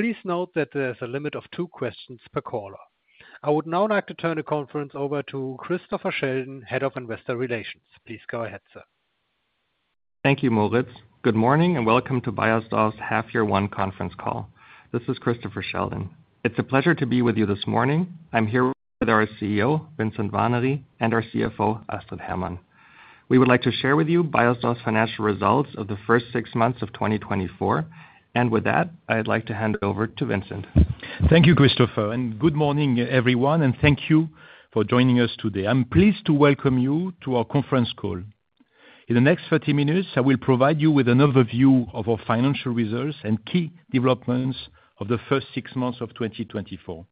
Please note that there's a limit of two questions per caller. I would now like to turn the conference over to Christopher Sheldon, Head of Investor Relations. Please go ahead, sir. Thank you, Moritz. Good morning, and welcome to Beiersdorf's Half Year One conference call. This is Christopher Sheldon. It's a pleasure to be with you this morning. I'm here with our CEO, Vincent Warnery, and our CFO, Astrid Hermann. We would like to share with you Beiersdorf's financial results of the first six months of 2024. With that, I'd like to hand over to Vincent. Thank you, Christopher, and good morning, everyone, and thank you for joining us today. I'm pleased to welcome you to our conference call. In the next 30 minutes, I will provide you with an overview of our financial results and key developments of the first six months of 2024.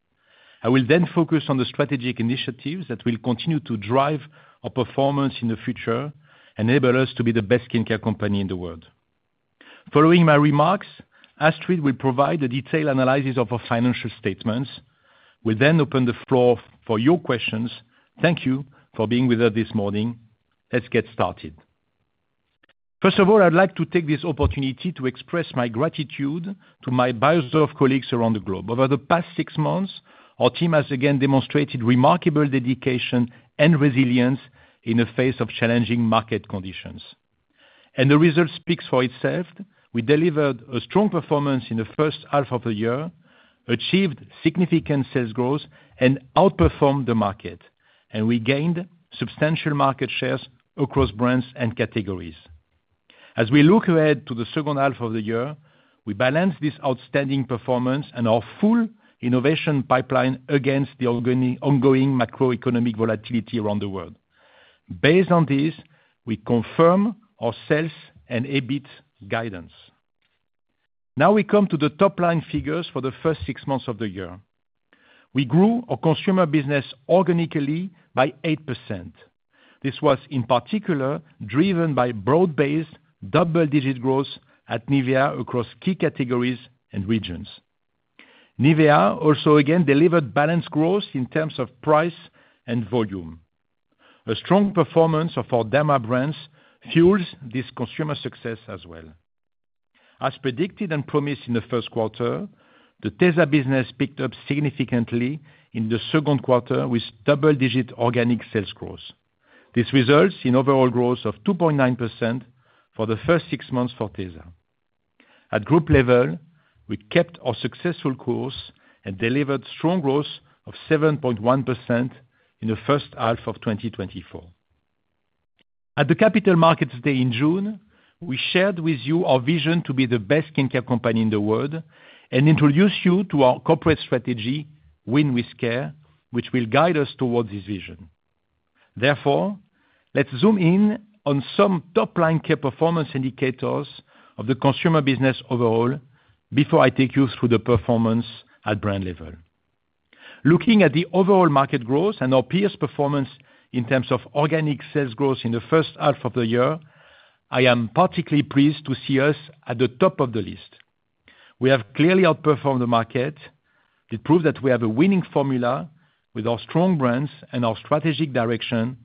I will then focus on the strategic initiatives that will continue to drive our performance in the future, enable us to be the best skincare company in the world. Following my remarks, Astrid will provide a detailed analysis of our financial statements. We'll then open the floor for your questions. Thank you for being with us this morning. Let's get started. First of all, I'd like to take this opportunity to express my gratitude to my Beiersdorf colleagues around the globe. Over the past six months, our team has again demonstrated remarkable dedication and resilience in the face of challenging market conditions, and the result speaks for itself. We delivered a strong performance in the first half of the year, achieved significant sales growth and outperformed the market, and we gained substantial market shares across brands and categories. As we look ahead to the second half of the year, we balance this outstanding performance and our full innovation pipeline against the ongoing, ongoing macroeconomic volatility around the world. Based on this, we confirm our sales and EBIT guidance. Now, we come to the top line figures for the first six months of the year. We grew our consumer business organically by 8%. This was in particular driven by broad-based double-digit growth at NIVEA across key categories and regions. NIVEA also again delivered balanced growth in terms of price and volume. A strong performance of our Derma brands fuels this consumer success as well. As predicted and promised in the first quarter, the tesa business picked up significantly in the second quarter with double-digit organic sales growth. This results in overall growth of 2.9% for the first six months for tesa. At group level, we kept our successful course and delivered strong growth of 7.1% in the first half of 2024. At the Capital Markets Day in June, we shared with you our vision to be the best skincare company in the world and introduce you to our corporate strategy, Win with Care, which will guide us towards this vision. Therefore, let's zoom in on some top-line key performance indicators of the consumer business overall before I take you through the performance at brand level. Looking at the overall market growth and our peers' performance in terms of organic sales growth in the first half of the year, I am particularly pleased to see us at the top of the list. We have clearly outperformed the market. It proves that we have a winning formula with our strong brands and our strategic direction,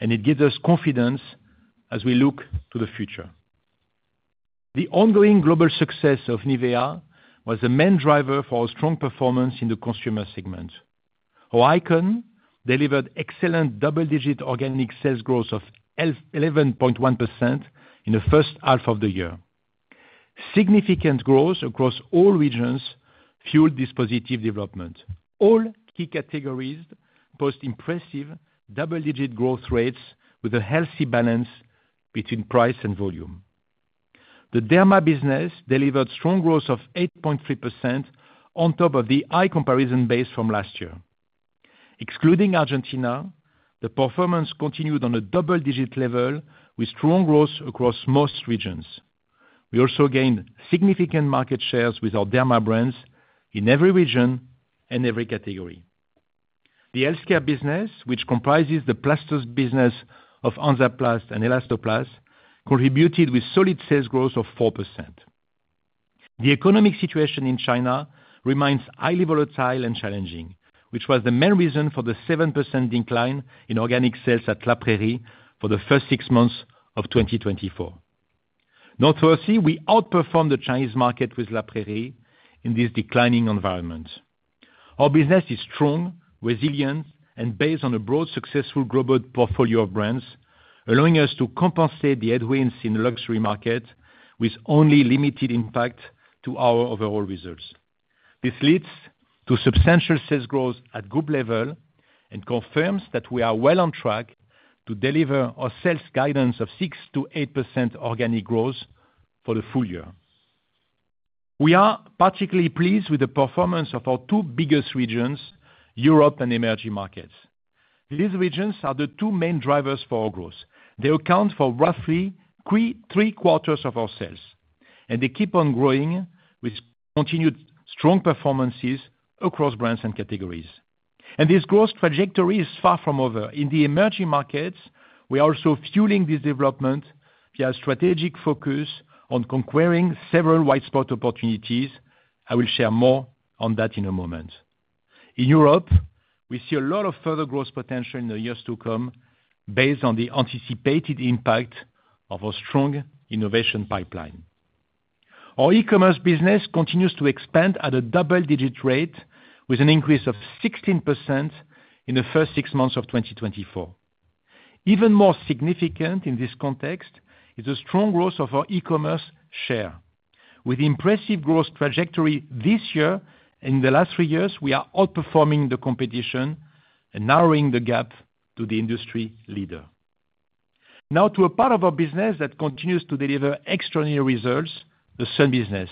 and it gives us confidence as we look to the future. The ongoing global success of NIVEA was the main driver for our strong performance in the consumer segment. Our icon delivered excellent double-digit organic sales growth of 11.1% in the first half of the year. Significant growth across all regions fueled this positive development. All key categories posted impressive double-digit growth rates with a healthy balance between price and volume. The Derma business delivered strong growth of 8.3% on top of the high comparison base from last year. Excluding Argentina, the performance continued on a double-digit level with strong growth across most regions. We also gained significant market shares with our Derma brands in every region and every category. The Healthcare business, which comprises the plasters business of Hansaplast and Elastoplast, contributed with solid sales growth of 4%. The economic situation in China remains highly volatile and challenging, which was the main reason for the 7% decline in organic sales at La Prairie for the first six months of 2024. Notwithstanding, we outperformed the Chinese market with La Prairie in this declining environment. Our business is strong, resilient, and based on a broad, successful global portfolio of brands, allowing us to compensate the headwinds in the luxury market with only limited impact to our overall results. This leads to substantial sales growth at group level and confirms that we are well on track to deliver our sales guidance of 6%-8% organic growth for the full year. We are particularly pleased with the performance of our two biggest regions, Europe and Emerging Markets. These regions are the two main drivers for our growth. They account for roughly three-quarters of our sales, and they keep on growing with continued strong performances across brands and categories. This growth trajectory is far from over. In the emerging markets, we are also fueling this development via strategic focus on conquering several white spot opportunities. I will share more on that in a moment... In Europe, we see a lot of further growth potential in the years to come, based on the anticipated impact of our strong innovation pipeline. Our e-commerce business continues to expand at a double-digit rate, with an increase of 16% in the first 6 months of 2024. Even more significant in this context, is the strong growth of our e-commerce share. With impressive growth trajectory this year, in the last 3 years, we are outperforming the competition and narrowing the gap to the industry leader. Now, to a part of our business that continues to deliver extraordinary results, the sun business.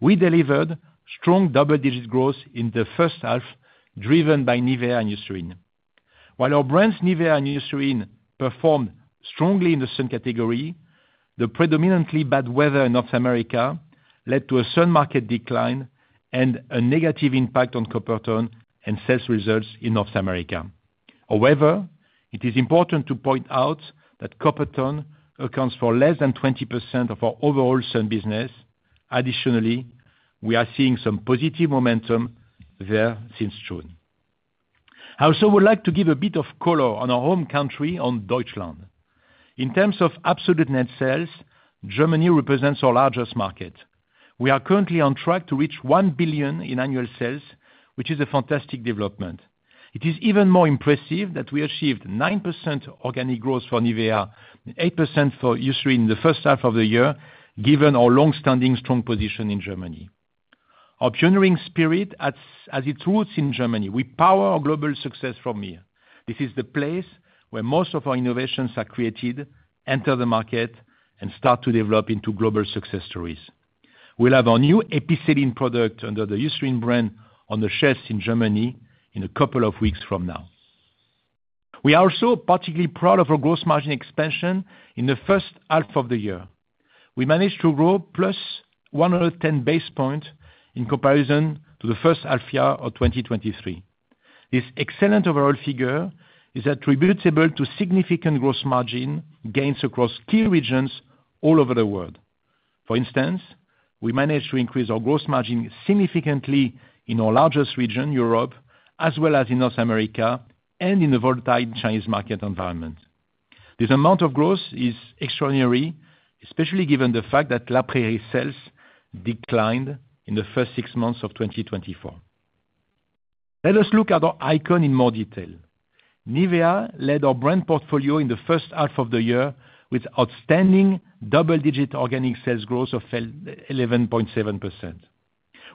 We delivered strong double-digit growth in the first half, driven by NIVEA and Eucerin. While our brands NIVEA and Eucerin performed strongly in the sun category, the predominantly bad weather in North America led to a sun market decline and a negative impact on Coppertone and sales results in North America. However, it is important to point out that Coppertone accounts for less than 20% of our overall sun business. Additionally, we are seeing some positive momentum there since June. I also would like to give a bit of color on our home country, on Deutschland. In terms of absolute net sales, Germany represents our largest market. We are currently on track to reach 1 billion in annual sales, which is a fantastic development. It is even more impressive that we achieved 9% organic growth for NIVEA and 8% for Eucerin the first half of the year, given our long-standing strong position in Germany. Our pioneering spirit has its roots in Germany. We power our global success from here. This is the place where most of our innovations are created, enter the market, and start to develop into global success stories. We'll have our new Epicelline product under the Eucerin brand on the shelves in Germany in a couple of weeks from now. We are also particularly proud of our gross margin expansion in the first half of the year. We managed to grow plus 110 basis points in comparison to the first half of 2023. This excellent overall figure is attributable to significant gross margin gains across key regions all over the world. For instance, we managed to increase our gross margin significantly in our largest region, Europe, as well as in North America and in the volatile Chinese market environment. This amount of growth is extraordinary, especially given the fact that La Prairie sales declined in the first six months of 2024. Let us look at our icon in more detail. NIVEA led our brand portfolio in the first half of the year with outstanding double-digit organic sales growth of eleven point seven percent.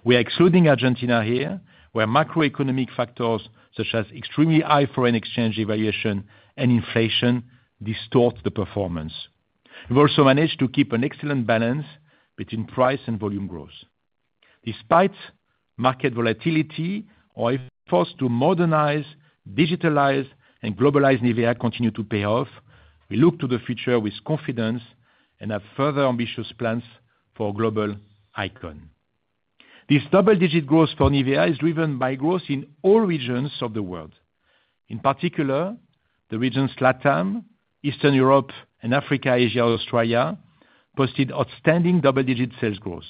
We are excluding Argentina here, where macroeconomic factors, such as extremely high foreign exchange devaluation and inflation, distort the performance. We've also managed to keep an excellent balance between price and volume growth. Despite market volatility, our efforts to modernize, digitalize, and globalize NIVEA continue to pay off. We look to the future with confidence and have further ambitious plans for our global icon. This double-digit growth for NIVEA is driven by growth in all regions of the world. In particular, the regions LATAM, Eastern Europe, and Africa, Asia, Australia, posted outstanding double-digit sales growth.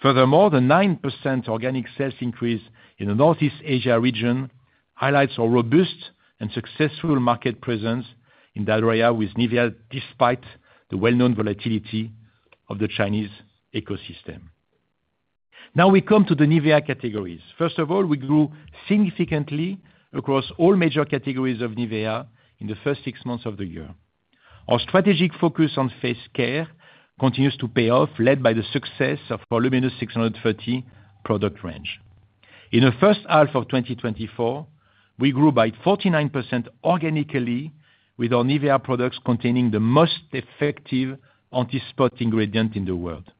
Furthermore, the 9% organic sales increase in the Northeast Asia region highlights our robust and successful market presence in that area with NIVEA, despite the well-known volatility of the Chinese ecosystem. Now, we come to the NIVEA categories. First of all, we grew significantly across all major categories of NIVEA in the first six months of the year. Our strategic focus on face care continues to pay off, led by the success of our LUMINOUS630 product range. In the first half of 2024, we grew by 49% organically with our NIVEA products containing the most effective anti-spot ingredient in the world.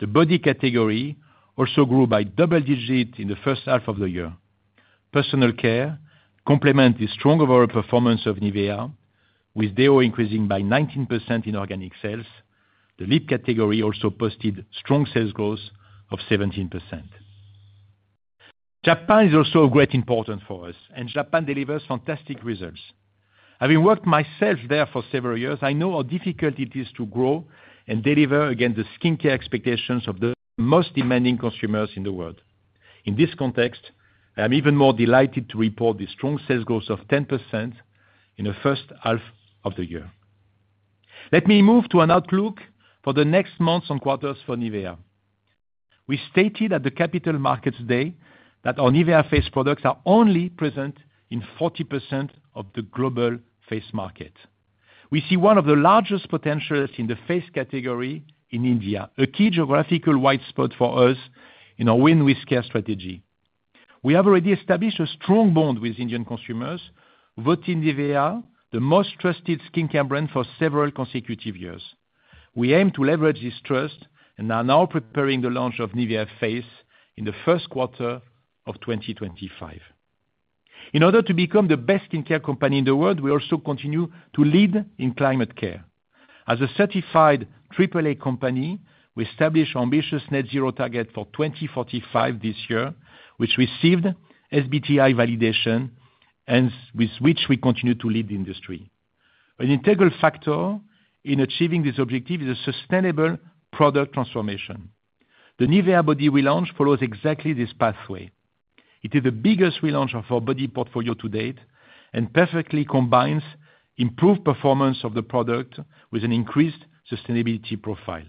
The body category also grew by double digits in the first six months of the year. Personal care complements the strong overall performance of NIVEA, with deo increasing by 19% in organic sales. The lip category also posted strong sales growth of 17%. Japan is also of great importance for us, and Japan delivers fantastic results. Having worked myself there for several years, I know how difficult it is to grow and deliver against the skincare expectations of the most demanding consumers in the world. In this context, I am even more delighted to report the strong sales growth of 10% in the first half of the year. Let me move to an outlook for the next months and quarters for NIVEA. We stated at the Capital Markets Day that our NIVEA face products are only present in 40% of the global face market. We see one of the largest potentials in the face category in India, a key geographical white spot for us in our Win with Care strategy. We have already established a strong bond with Indian consumers, voting NIVEA the most trusted skincare brand for several consecutive years. We aim to leverage this trust and are now preparing the launch of NIVEA Face in the first quarter of 2025. In order to become the best skincare company in the world, we also continue to lead in climate care. As a certified AAA company, we established ambitious net zero target for 2045 this year, which received SBTi validation and with which we continue to lead the industry. An integral factor in achieving this objective is a sustainable product transformation. The NIVEA body relaunch follows exactly this pathway. It is the biggest relaunch of our body portfolio to date, and perfectly combines improved performance of the product with an increased sustainability profile.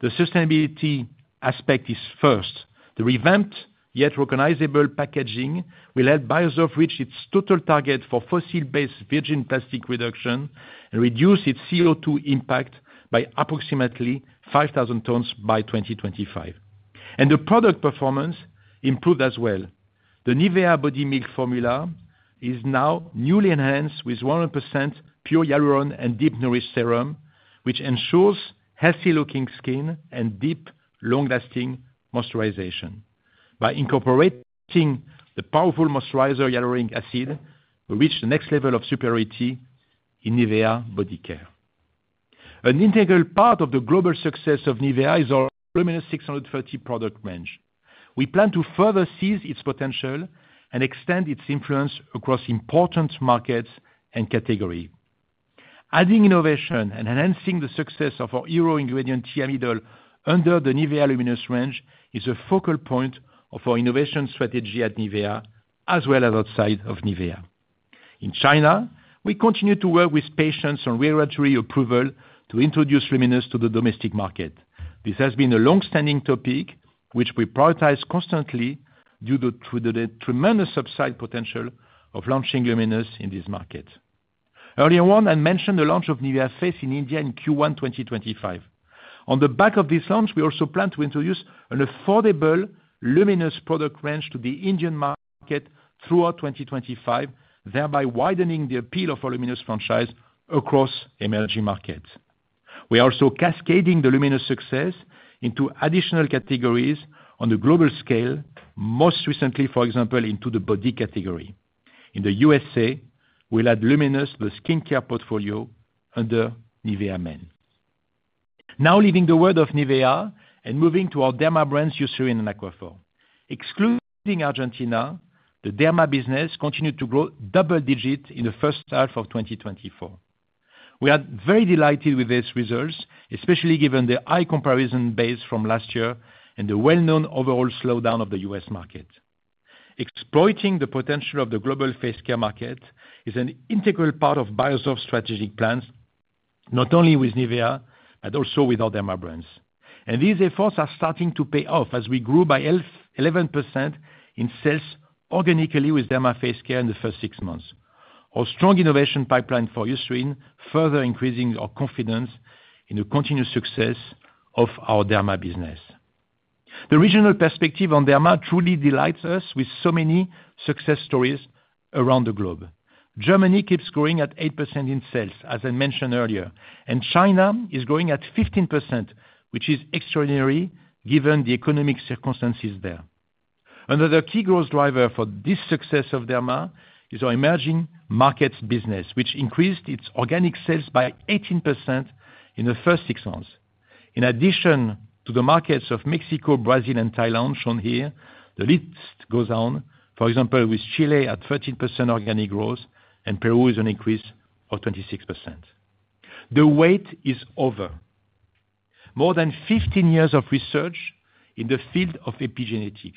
The sustainability aspect is first. The revamped, yet recognizable packaging, will help Beiersdorf reach its total target for fossil-based virgin plastic reduction, and reduce its CO₂ impact by approximately 5,000 tons by 2025. The product performance improved as well. The NIVEA body milk formula is now newly enhanced with 100% pure hyaluron and deep nourish serum, which ensures healthy looking skin and deep, long-lasting moisturization. By incorporating the powerful moisturizer, hyaluronic acid, we reach the next level of superiority in NIVEA body care. An integral part of the global success of NIVEA is our LUMINOUS630 product range. We plan to further seize its potential and extend its influence across important markets and category. Adding innovation and enhancing the success of our hero ingredient, Thiamidol, under the NIVEA Luminous range, is a focal point of our innovation strategy at NIVEA, as well as outside of NIVEA. In China, we continue to work with patients on regulatory approval to introduce Luminous to the domestic market. This has been a long-standing topic, which we prioritize constantly due to the tremendous upside potential of launching Luminous in this market. Earlier on, I mentioned the launch of NIVEA Face in India in Q1 2025. On the back of this launch, we also plan to introduce an affordable, Luminous product range to the Indian market throughout 2025, thereby widening the appeal of our Luminous franchise across emerging markets. We are also cascading the Luminous success into additional categories on a global scale, most recently, for example, into the body category. In the USA, we'll add Luminous to the skincare portfolio under NIVEA Men. Now, leaving the world of NIVEA and moving to our Derma brands, Eucerin and Aquaphor. Excluding Argentina, the Derma business continued to grow double digits in the first half of 2024. We are very delighted with these results, especially given the high comparison base from last year and the well-known overall slowdown of the U.S. market. Exploiting the potential of the global face care market is an integral part of Beiersdorf's strategic plans, not only with NIVEA, but also with our Derma brands. And these efforts are starting to pay off, as we grew by 11% in sales organically with Derma face care in the first six months. Our strong innovation pipeline for Eucerin, further increasing our confidence in the continued success of our Derma business. The regional perspective on Derma truly delights us with so many success stories around the globe. Germany keeps growing at 8% in sales, as I mentioned earlier, and China is growing at 15%, which is extraordinary given the economic circumstances there. Another key growth driver for this success of Derma is our emerging markets business, which increased its organic sales by 18% in the first six months. In addition to the markets of Mexico, Brazil and Thailand shown here, the list goes on, for example, with Chile at 13% organic growth and Peru is an increase of 26%. The wait is over. More than 15 years of research in the field of epigenetics,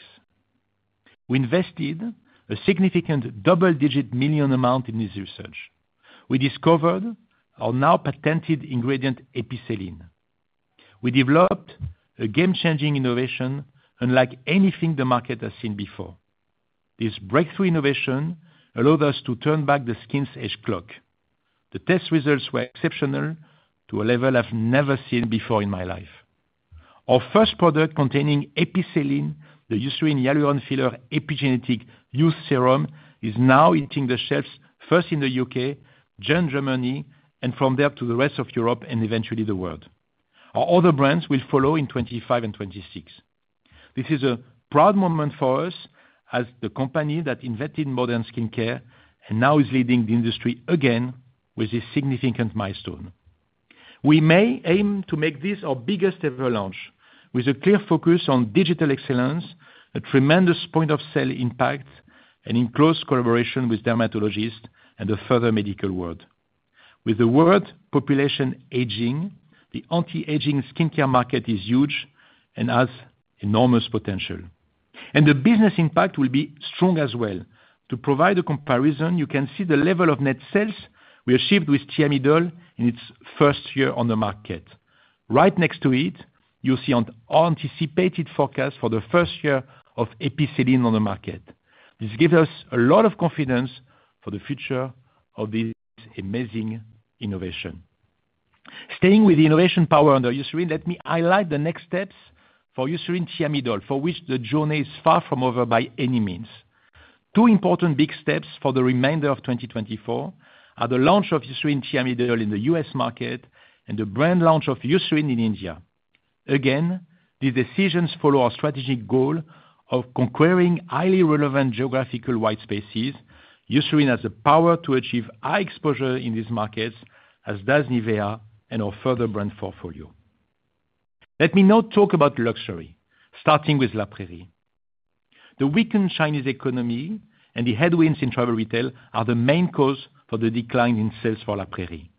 we invested a significant double-digit million EUR amount in this research. We discovered our now patented ingredient, Epicelline. We developed a game-changing innovation, unlike anything the market has seen before. This breakthrough innovation allowed us to turn back the skin's age clock. The test results were exceptional to a level I've never seen before in my life. Our first product containing Epicelline, the Eucerin Hyaluron-Filler Epigenetic Youth Serum, is now hitting the shelves first in the UK, then Germany, and from there to the rest of Europe, and eventually the world. Our other brands will follow in 2025 and 2026. This is a proud moment for us as the company that invented modern skincare, and now is leading the industry again with this significant milestone. We may aim to make this our biggest ever launch, with a clear focus on digital excellence, a tremendous point of sale impact, and in close collaboration with dermatologists and the further medical world. With the world population aging, the anti-aging skincare market is huge and has enormous potential, and the business impact will be strong as well. To provide a comparison, you can see the level of net sales we achieved with Thiamidol in its first year on the market. Right next to it, you'll see an anticipated forecast for the first year of Epicelline on the market. This gives us a lot of confidence for the future of this amazing innovation. Staying with the innovation power under Eucerin, let me highlight the next steps for Eucerin Thiamidol, for which the journey is far from over by any means. Two important big steps for the remainder of 2024 are the launch of Eucerin Thiamidol in the U.S. market and the brand launch of Eucerin in India. Again, these decisions follow our strategic goal of conquering highly relevant geographical white spaces. Eucerin has the power to achieve high exposure in these markets, as does NIVEA and our further brand portfolio.... Let me now talk about luxury, starting with La Prairie. The weakened Chinese economy and the headwinds in travel retail are the main cause for the decline in sales for La Prairie.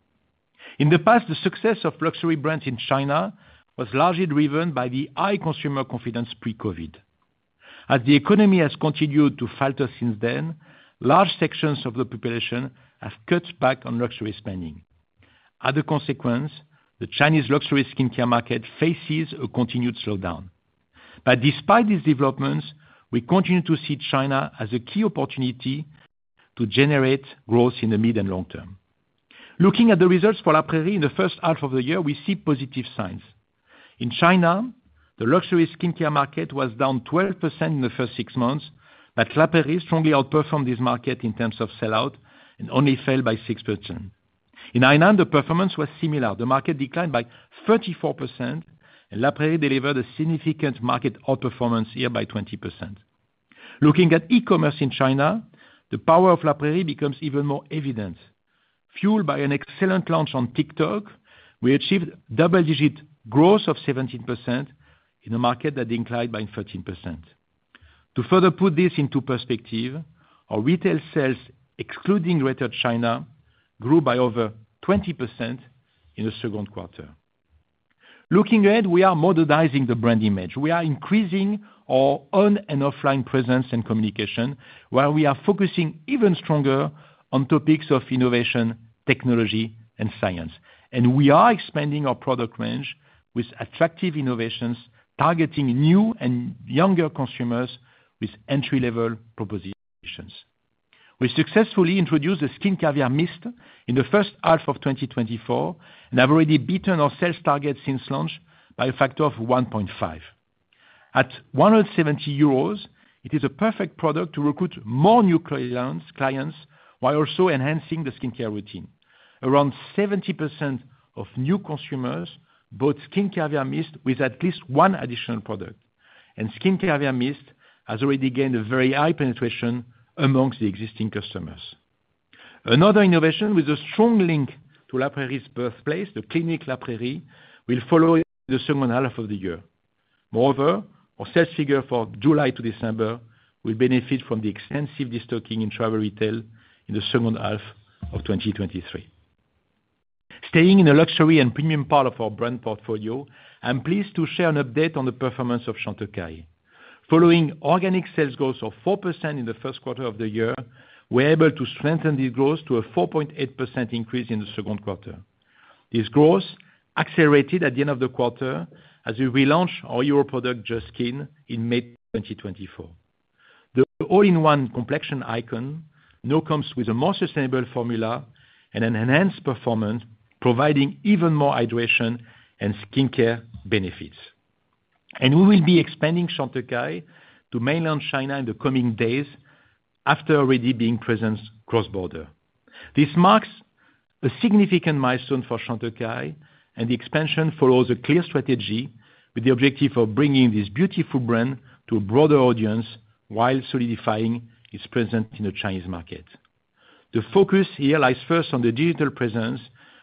In the past, the success of luxury brands in China was largely driven by the high consumer confidence pre-COVID. As the economy has continued to falter since then, large sections of the population have cut back on luxury spending. As a consequence, the Chinese luxury skincare market faces a continued slowdown. But despite these developments, we continue to see China as a key opportunity to generate growth in the mid and long term. Looking at the results for La Prairie in the first half of the year, we see positive signs. In China, the luxury skincare market was down 12% in the first six months, but La Prairie strongly outperformed this market in terms of sell-out, and only fell by 6%. In Thailand, the performance was similar. The market declined by 34%, and La Prairie delivered a significant market outperformance here by 20%. Looking at e-commerce in China, the power of La Prairie becomes even more evident. Fueled by an excellent launch on TikTok, we achieved double-digit growth of 17% in a market that declined by 13%. To further put this into perspective, our retail sales, excluding Greater China, grew by over 20% in the second quarter. Looking ahead, we are modernizing the brand image. We are increasing our on and offline presence and communication, while we are focusing even stronger on topics of innovation, technology, and science. We are expanding our product range with attractive innovations, targeting new and younger consumers with entry-level propositions. We successfully introduced the Skin Caviar Mist in the first half of 2024, and have already beaten our sales target since launch by a factor of 1.5. At 170 euros, it is a perfect product to recruit more new clients, clients, while also enhancing the skincare routine. Around 70% of new consumers bought Skin Caviar Mist with at least one additional product, and Skin Caviar Mist has already gained a very high penetration among the existing customers. Another innovation with a strong link to La Prairie's birthplace, the Clinic La Prairie, will follow in the second half of the year. Moreover, our sales figure for July to December will benefit from the extensive destocking in travel retail in the second half of 2023. Staying in the luxury and premium part of our brand portfolio, I'm pleased to share an update on the performance of Chantecaille. Following organic sales growth of 4% in the first quarter of the year, we're able to strengthen the growth to a 4.8% increase in the second quarter. This growth accelerated at the end of the quarter as we relaunch our new product, Just Skin, in May 2024. The all-in-one complexion icon now comes with a more sustainable formula and an enhanced performance, providing even more hydration and skincare benefits. We will be expanding Chantecaille to mainland China in the coming days after already being present cross-border. This marks a significant milestone for Chantecaille, and the expansion follows a clear strategy with the objective of bringing this beautiful brand to a broader audience while solidifying its presence in the Chinese market. The focus here lies first on the digital presence,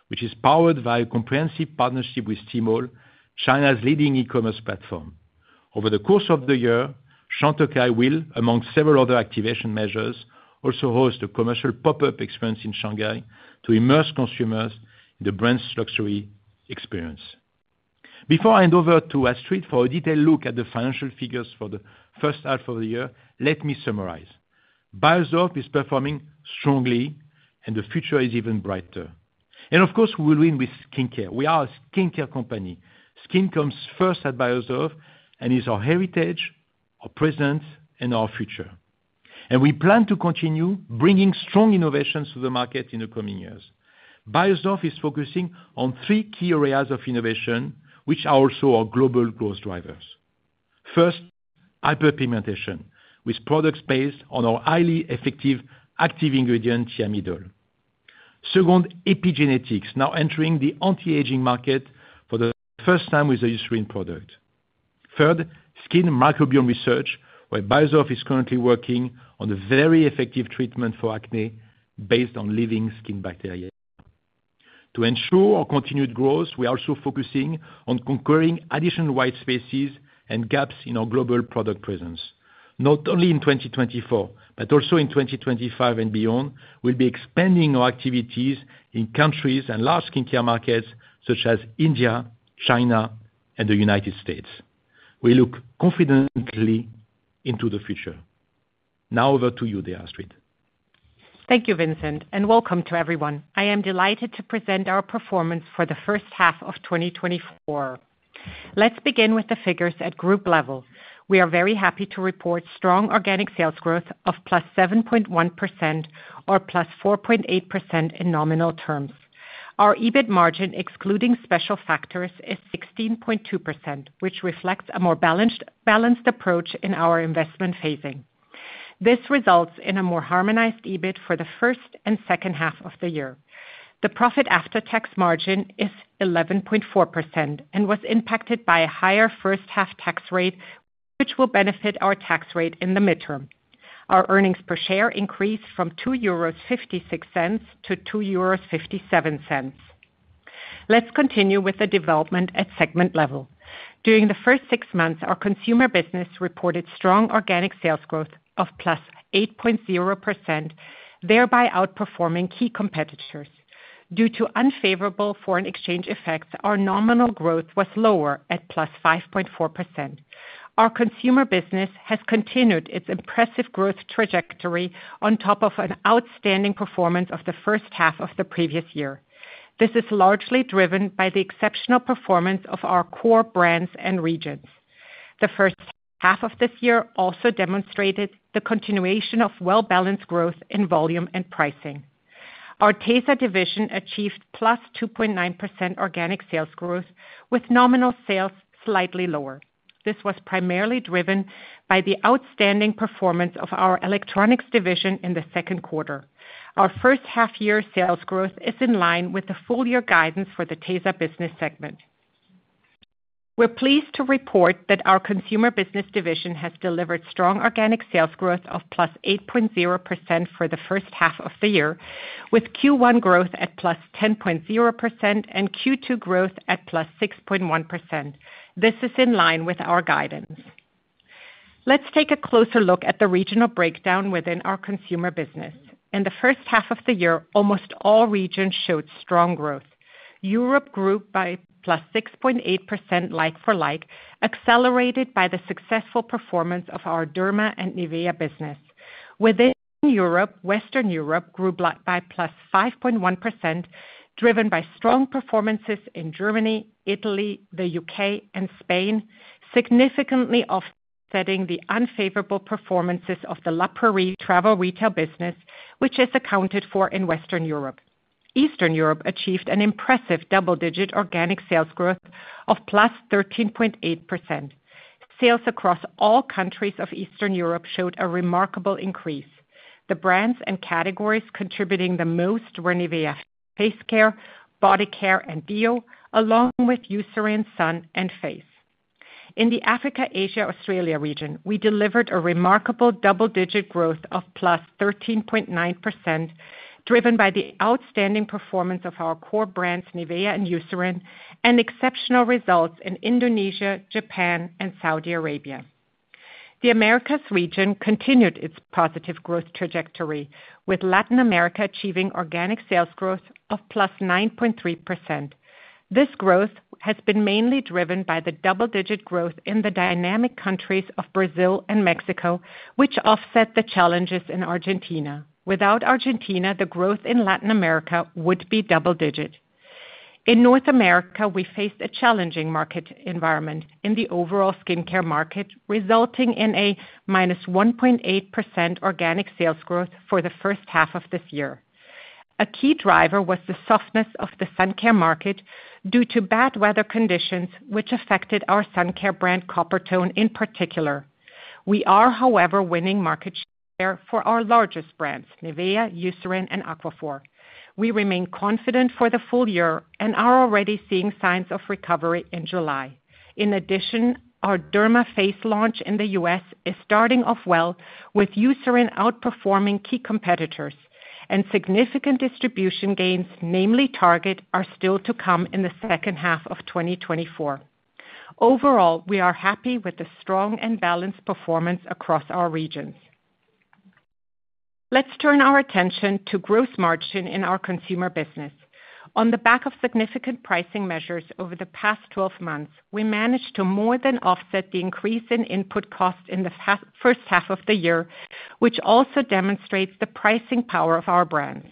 which is powered by a comprehensive partnership with Tmall, China's leading e-commerce platform. Over the course of the year, Chantecaille will, among several other activation measures, also host a commercial pop-up experience in Shanghai to immerse consumers in the brand's luxury experience. Before I hand over to Astrid for a detailed look at the financial figures for the first half of the year, let me summarize. Beiersdorf is performing strongly, and the future is even brighter. Of course, we will win with skincare. We are a skincare company. Skin comes first at Beiersdorf, and is our heritage, our present, and our future. We plan to continue bringing strong innovations to the market in the coming years. Beiersdorf is focusing on three key areas of innovation, which are also our global growth drivers. First, hyperpigmentation, with products based on our highly effective active ingredient, Thiamidol. Second, epigenetics, now entering the anti-aging market for the first time with a Eucerin product. Third, skin microbiome research, where Beiersdorf is currently working on a very effective treatment for acne based on living skin bacteria. To ensure our continued growth, we are also focusing on conquering additional white spaces and gaps in our global product presence. Not only in 2024, but also in 2025 and beyond, we'll be expanding our activities in countries and large skincare markets such as India, China, and the United States. We look confidently into the future. Now over to you, dear Astrid. Thank you, Vincent, and welcome to everyone. I am delighted to present our performance for the first half of 2024. Let's begin with the figures at group level. We are very happy to report strong organic sales growth of +7.1% or +4.8% in nominal terms. Our EBIT margin, excluding special factors, is 16.2%, which reflects a more balanced, balanced approach in our investment phasing. This results in a more harmonized EBIT for the first and second half of the year. The profit after tax margin is 11.4% and was impacted by a higher first half tax rate, which will benefit our tax rate in the midterm. Our earnings per share increased from 2.56 euros to 2.57 euros. Let's continue with the development at segment level. During the first six months, our consumer business reported strong organic sales growth of +8.0%, thereby outperforming key competitors. Due to unfavorable foreign exchange effects, our nominal growth was lower at +5.4%. Our consumer business has continued its impressive growth trajectory on top of an outstanding performance of the first half of the previous year. This is largely driven by the exceptional performance of our core brands and regions. The first half of this year also demonstrated the continuation of well-balanced growth in volume and pricing. Our tesa division achieved +2.9% organic sales growth, with nominal sales slightly lower. This was primarily driven by the outstanding performance of our electronics division in the second quarter. Our first half year sales growth is in line with the full year guidance for the tesa business segment. We're pleased to report that our consumer business division has delivered strong organic sales growth of +8.0% for the first half of the year, with Q1 growth at +10.0% and Q2 growth at +6.1%. This is in line with our guidance. Let's take a closer look at the regional breakdown within our consumer business. In the first half of the year, almost all regions showed strong growth. Europe grew by +6.8% like-for-like, accelerated by the successful performance of our Derma and NIVEA business. Within Europe, Western Europe grew by +5.1%, driven by strong performances in Germany, Italy, the U.K., and Spain, significantly offsetting the unfavorable performances of the La Prairie travel retail business, which is accounted for in Western Europe. Eastern Europe achieved an impressive double-digit organic sales growth of +13.8%. Sales across all countries of Eastern Europe showed a remarkable increase. The brands and categories contributing the most were NIVEA face care, body care, and deo, along with Eucerin Sun and Face. In the Africa, Asia, Australia region, we delivered a remarkable double-digit growth of +13.9%, driven by the outstanding performance of our core brands, NIVEA and Eucerin, and exceptional results in Indonesia, Japan, and Saudi Arabia. The Americas region continued its positive growth trajectory, with Latin America achieving organic sales growth of +9.3%. This growth has been mainly driven by the double-digit growth in the dynamic countries of Brazil and Mexico, which offset the challenges in Argentina. Without Argentina, the growth in Latin America would be double digit. In North America, we faced a challenging market environment in the overall skincare market, resulting in a -1.8% organic sales growth for the first half of this year. A key driver was the softness of the sun care market due to bad weather conditions, which affected our sun care brand, Coppertone, in particular. We are, however, winning market share for our largest brands, NIVEA, Eucerin, and Aquaphor. We remain confident for the full year and are already seeing signs of recovery in July. In addition, our Derma face launch in the U.S. is starting off well, with Eucerin outperforming key competitors, and significant distribution gains, namely Target, are still to come in the second half of 2024. Overall, we are happy with the strong and balanced performance across our regions. Let's turn our attention to gross margin in our consumer business. On the back of significant pricing measures over the past 12 months, we managed to more than offset the increase in input costs in the first half of the year, which also demonstrates the pricing power of our brands.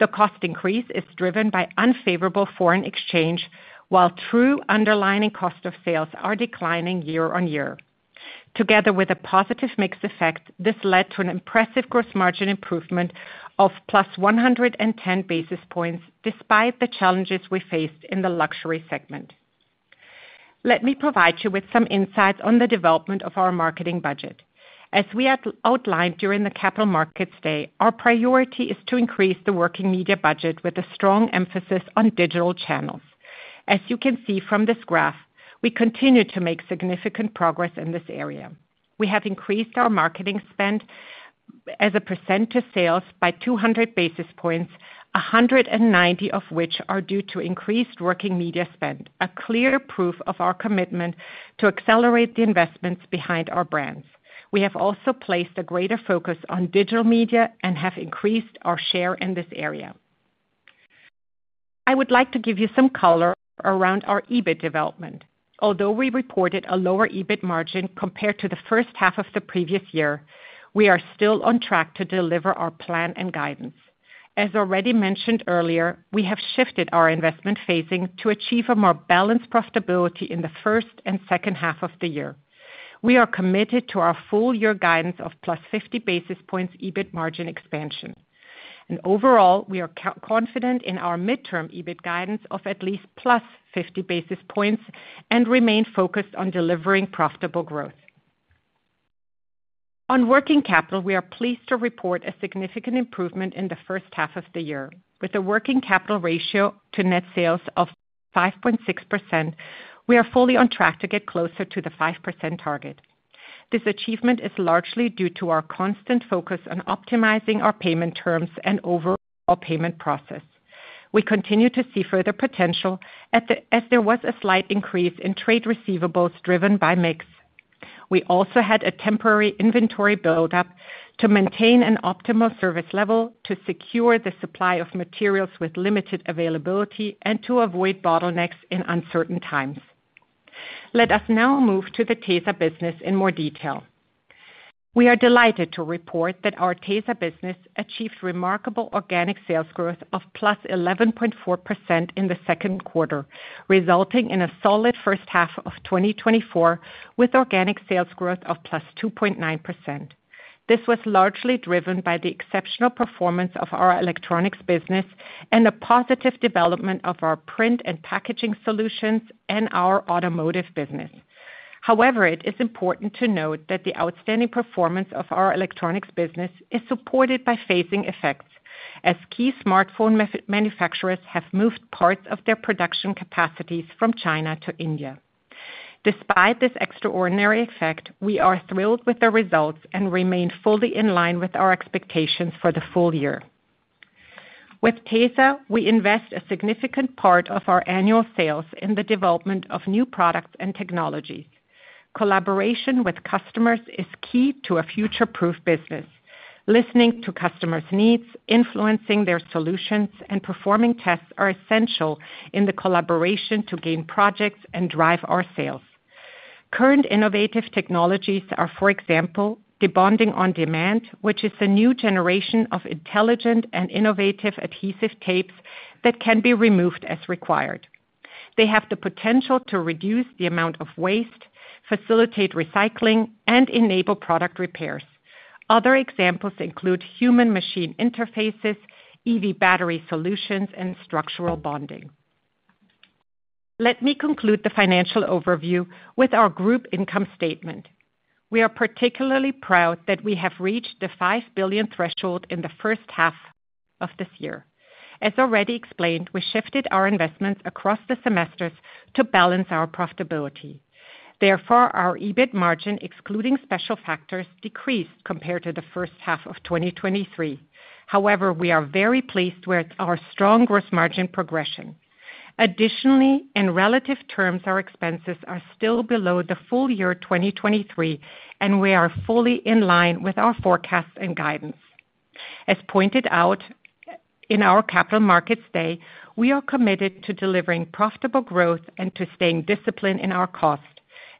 The cost increase is driven by unfavorable foreign exchange, while true underlying cost of sales are declining year-over-year. Together with a positive mix effect, this led to an impressive gross margin improvement of +110 basis points, despite the challenges we faced in the luxury segment. Let me provide you with some insights on the development of our marketing budget. As we had outlined during the Capital Markets Day, our priority is to increase the working media budget with a strong emphasis on digital channels. As you can see from this graph, we continue to make significant progress in this area. We have increased our marketing spend as a % of sales by 200 basis points, 190 of which are due to increased working media spend, a clear proof of our commitment to accelerate the investments behind our brands. We have also placed a greater focus on digital media and have increased our share in this area. I would like to give you some color around our EBIT development. Although we reported a lower EBIT margin compared to the first half of the previous year, we are still on track to deliver our plan and guidance. As already mentioned earlier, we have shifted our investment phasing to achieve a more balanced profitability in the first and second half of the year. We are committed to our full year guidance of +50 basis points EBIT margin expansion. Overall, we are confident in our midterm EBIT guidance of at least +50 basis points and remain focused on delivering profitable growth. On working capital, we are pleased to report a significant improvement in the first half of the year, with a working capital ratio to net sales of 5.6%, we are fully on track to get closer to the 5% target. This achievement is largely due to our constant focus on optimizing our payment terms and overall payment process. We continue to see further potential at the, as there was a slight increase in trade receivables driven by mix. We also had a temporary inventory buildup to maintain an optimal service level, to secure the supply of materials with limited availability, and to avoid bottlenecks in uncertain times. Let us now move to the tesa business in more detail. We are delighted to report that our tesa business achieved remarkable organic sales growth of +11.4% in the second quarter, resulting in a solid first half of 2024, with organic sales growth of +2.9%. This was largely driven by the exceptional performance of our electronics business and a positive development of our print and packaging solutions and our automotive business. However, it is important to note that the outstanding performance of our electronics business is supported by phasing effects, as key smartphone manufacturers have moved parts of their production capacities from China to India. Despite this extraordinary effect, we are thrilled with the results and remain fully in line with our expectations for the full year. With tesa, we invest a significant part of our annual sales in the development of new products and technologies. Collaboration with customers is key to a future-proof business. Listening to customers' needs, influencing their solutions, and performing tests are essential in the collaboration to gain projects and drive our sales. Current innovative technologies are, for example, debonding on demand, which is a new generation of intelligent and innovative adhesive tapes that can be removed as required. They have the potential to reduce the amount of waste, facilitate recycling, and enable product repairs. Other examples include human machine interfaces, EV battery solutions, and structural bonding. Let me conclude the financial overview with our group income statement. We are particularly proud that we have reached the 5 billion threshold in the first half of this year. As already explained, we shifted our investments across the semesters to balance our profitability. Therefore, our EBIT margin, excluding special factors, decreased compared to the first half of 2023. However, we are very pleased with our strong gross margin progression. Additionally, in relative terms, our expenses are still below the full year 2023, and we are fully in line with our forecasts and guidance. As pointed out in our Capital Markets Day, we are committed to delivering profitable growth and to staying disciplined in our cost.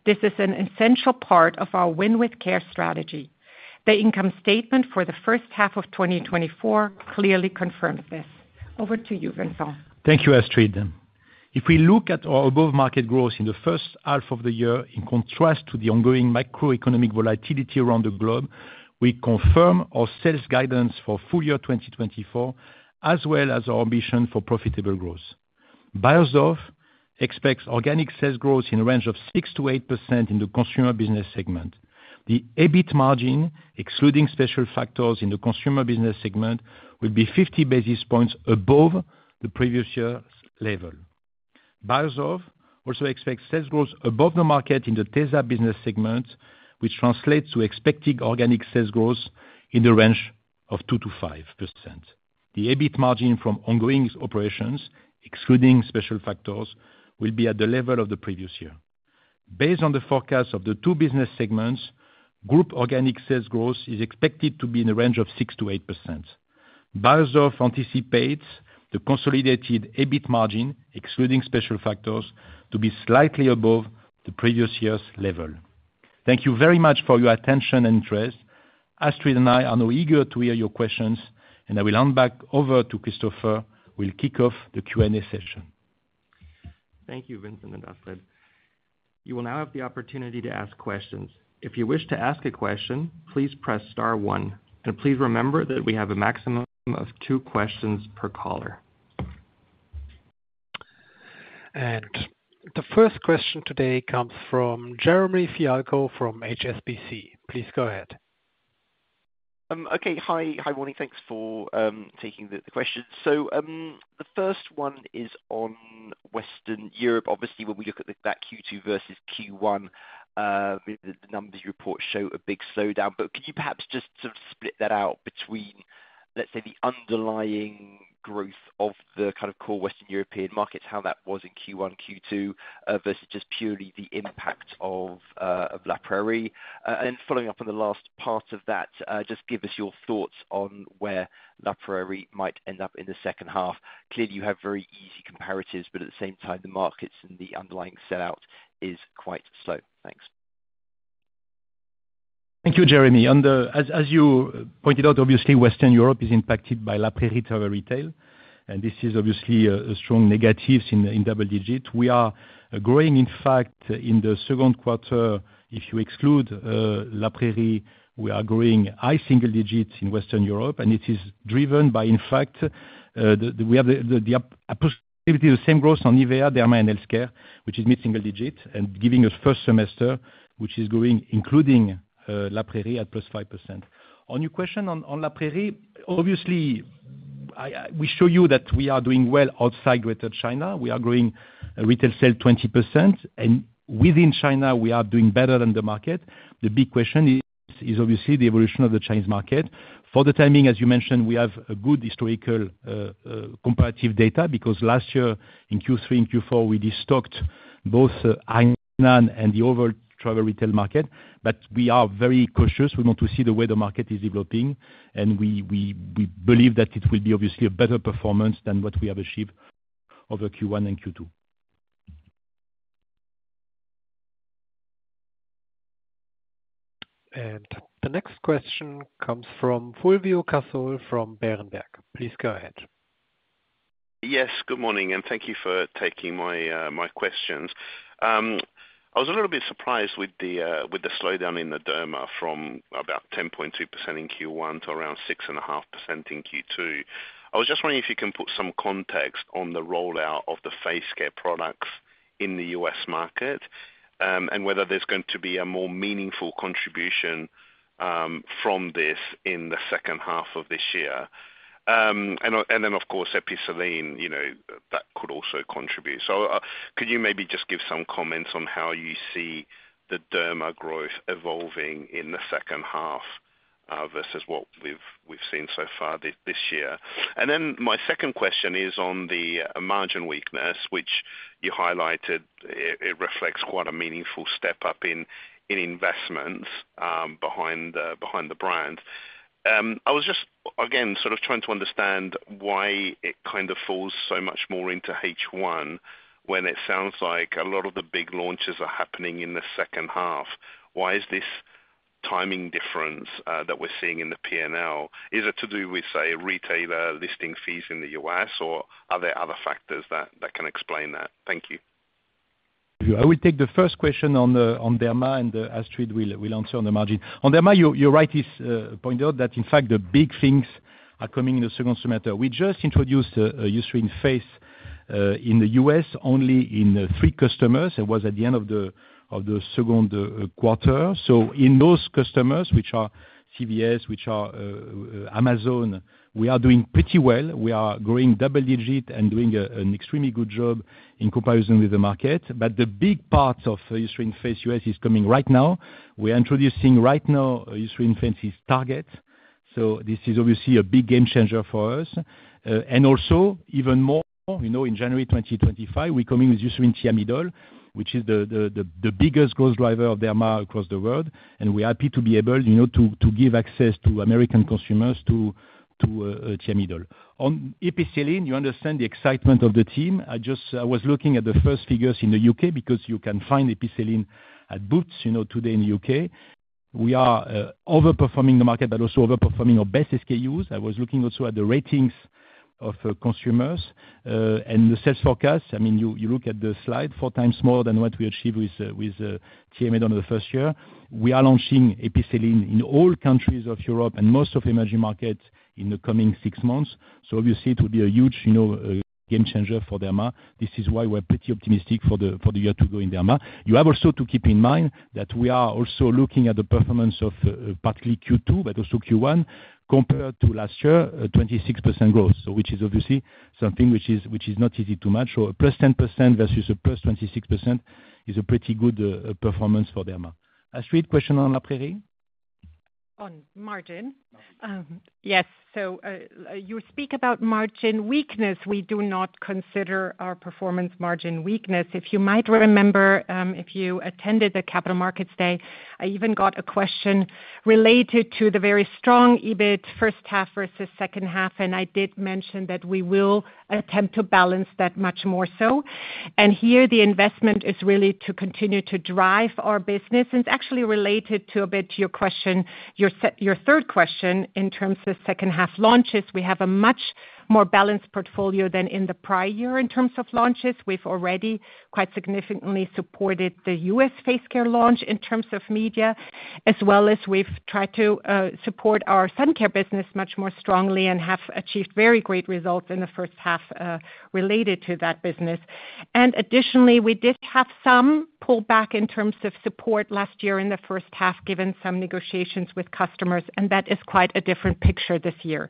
This is an essential part of our Win with Care strategy. The income statement for the first half of 2024 clearly confirms this. Over to you, Vincent. Thank you, Astrid. If we look at our above market growth in the first half of the year, in contrast to the ongoing macroeconomic volatility around the globe, we confirm our sales guidance for full year 2024, as well as our ambition for profitable growth. Beiersdorf expects organic sales growth in a range of 6%-8% in the consumer business segment. The EBIT margin, excluding special factors in the consumer business segment, will be 50 basis points above the previous year's level. Beiersdorf also expects sales growth above the market in the tesa business segment, which translates to expecting organic sales growth in the range of 2%-5%. The EBIT margin from ongoing operations, excluding special factors, will be at the level of the previous year. Based on the forecast of the two business segments, group organic sales growth is expected to be in the range of 6%-8%. Beiersdorf anticipates the consolidated EBIT margin, excluding special factors, to be slightly above the previous year's level. Thank you very much for your attention and interest. Astrid and I are now eager to hear your questions, and I will hand back over to Christopher, who will kick off the Q&A session. Thank you, Vincent and Astrid. You will now have the opportunity to ask questions. If you wish to ask a question, please press star one, and please remember that we have a maximum of two questions per caller. The first question today comes from Jeremy Fialko from HSBC. Please go ahead. Okay. Hi. Hi, morning. Thanks for taking the questions. So, the first one is on Western Europe. Obviously, when we look at that Q2 versus Q1, the numbers you report show a big slowdown, but could you perhaps just sort of split that out between, let's say, the underlying growth of the kind of core Western European markets, how that was in Q1, Q2, versus just purely the impact of La Prairie? And then following up on the last part of that, just give us your thoughts on where La Prairie might end up in the second half. Clearly, you have very easy comparatives, but at the same time, the markets and the underlying sell-out is quite slow. Thanks. Thank you, Jeremy. As you pointed out, obviously, Western Europe is impacted by La Prairie travel retail, and this is obviously a strong negative in double digit. We are growing, in fact, in the second quarter, if you exclude La Prairie, we are growing high single digits in Western Europe, and it is driven by, in fact, the upper-inclusivity, the same growth on NIVEA, Derma, and Healthcare, which is mid-single digit, and giving us first semester, which is growing, including La Prairie, at +5%. On your question on La Prairie, obviously, we show you that we are doing well outside Greater China. We are growing retail sale 20%, and within China, we are doing better than the market. The big question is obviously the evolution of the Chinese market. For the timing, as you mentioned, we have a good historical comparative data, because last year, in Q3 and Q4, we destocked both Hainan and the overall travel retail market, but we are very cautious. We want to see the way the market is developing, and we believe that it will be obviously a better performance than what we have achieved over Q1 and Q2. The next question comes from Fulvio Cazzol from Berenberg. Please go ahead. Yes, good morning, and thank you for taking my questions. I was a little bit surprised with the slowdown in the derma from about 10.2% in Q1 to around 6.5% in Q2. I was just wondering if you can put some context on the rollout of the face care products in the U.S. market, and whether there's going to be a more meaningful contribution from this in the second half of this year? And then, of course, Epicelline, you know, that could also contribute. So, could you maybe just give some comments on how you see the derma growth evolving in the second half versus what we've seen so far this year? And then my second question is on the margin weakness, which you highlighted. It reflects quite a meaningful step up in investments behind the brand. I was just, again, sort of trying to understand why it kind of falls so much more into H1, when it sounds like a lot of the big launches are happening in the second half. Why is this timing difference that we're seeing in the P&L, is it to do with, say, retailer listing fees in the U.S., or are there other factors that can explain that? Thank you. I will take the first question on derma, and Astrid will answer on the margin. On derma, you're right, you pointed out that, in fact, the big things are coming in the second semester. We just introduced Eucerin Face in the US only in three customers. It was at the end of the second quarter. So in those customers, which are CVS, Amazon, we are doing pretty well. We are growing double-digit and doing an extremely good job in comparison with the market. But the big part of Eucerin Face US is coming right now. We're introducing right now Eucerin Face to Target. So this is obviously a big game changer for us. And also, even more, you know, in January 2025, we're coming with Eucerin Thiamidol, which is the biggest growth driver of derma across the world. We're happy to be able, you know, to give access to American consumers to Thiamidol. On Epicelline, you understand the excitement of the team. I just I was looking at the first figures in the UK, because you can find Epicelline at Boots, you know, today in the UK. We are overperforming the market, but also overperforming our best SKUs. I was looking also at the ratings of consumers and the sales forecast. I mean, you look at the slide four times more than what we achieved with Thiamidol in the first year. We are launching Epicelline in all countries of Europe and most of the emerging markets in the coming six months. So obviously it will be a huge, you know, game changer for derma. This is why we're pretty optimistic for the, for the year to go in derma. You have also to keep in mind that we are also looking at the performance of, partly Q2, but also Q1, compared to last year, a 26% growth. So which is obviously something which is, which is not easy to match, or a +10% versus a +26% is a pretty good, performance for derma. Astrid, question on La Prairie? On margin? Margin. Yes. So, you speak about margin weakness. We do not consider our performance margin weakness. If you might remember, if you attended the Capital Markets Day, I even got a question related to the very strong EBIT first half versus second half, and I did mention that we will attempt to balance that much more so. And here, the investment is really to continue to drive our business, and it's actually related to a bit to your question, your third question in terms of second half launches. We have a much more balanced portfolio than in the prior year in terms of launches. We've already quite significantly supported the U.S. face care launch in terms of media, as well as we've tried to support our sun care business much more strongly and have achieved very great results in the first half, related to that business. Additionally, we did have some pullback in terms of support last year in the first half, given some negotiations with customers, and that is quite a different picture this year.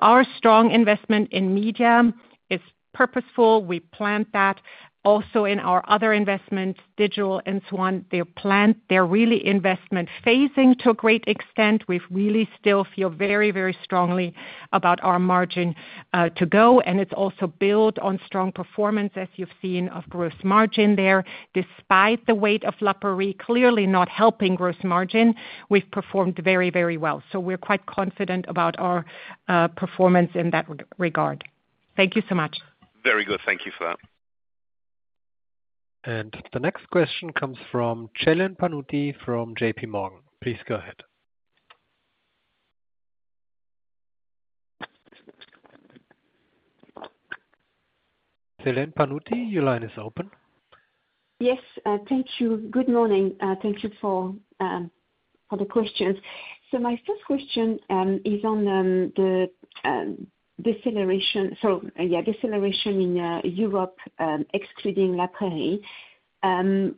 Our strong investment in media is purposeful. We planned that. Also, in our other investments, digital and so on, they're planned. They're really investment phasing to a great extent. We really still feel very, very strongly about our margin to go, and it's also built on strong performance, as you've seen, of gross margin there. Despite the weight of La Prairie clearly not helping gross margin, we've performed very, very well. So we're quite confident about our performance in that regard. Thank you so much. Very good. Thank you for that. The next question comes from Celine Pannuti from JP Morgan. Please go ahead. Celine Pannuti, your line is open. Yes, thank you. Good morning. Thank you for the questions. So my first question is on the deceleration, so, yeah, deceleration in Europe, excluding La Prairie—how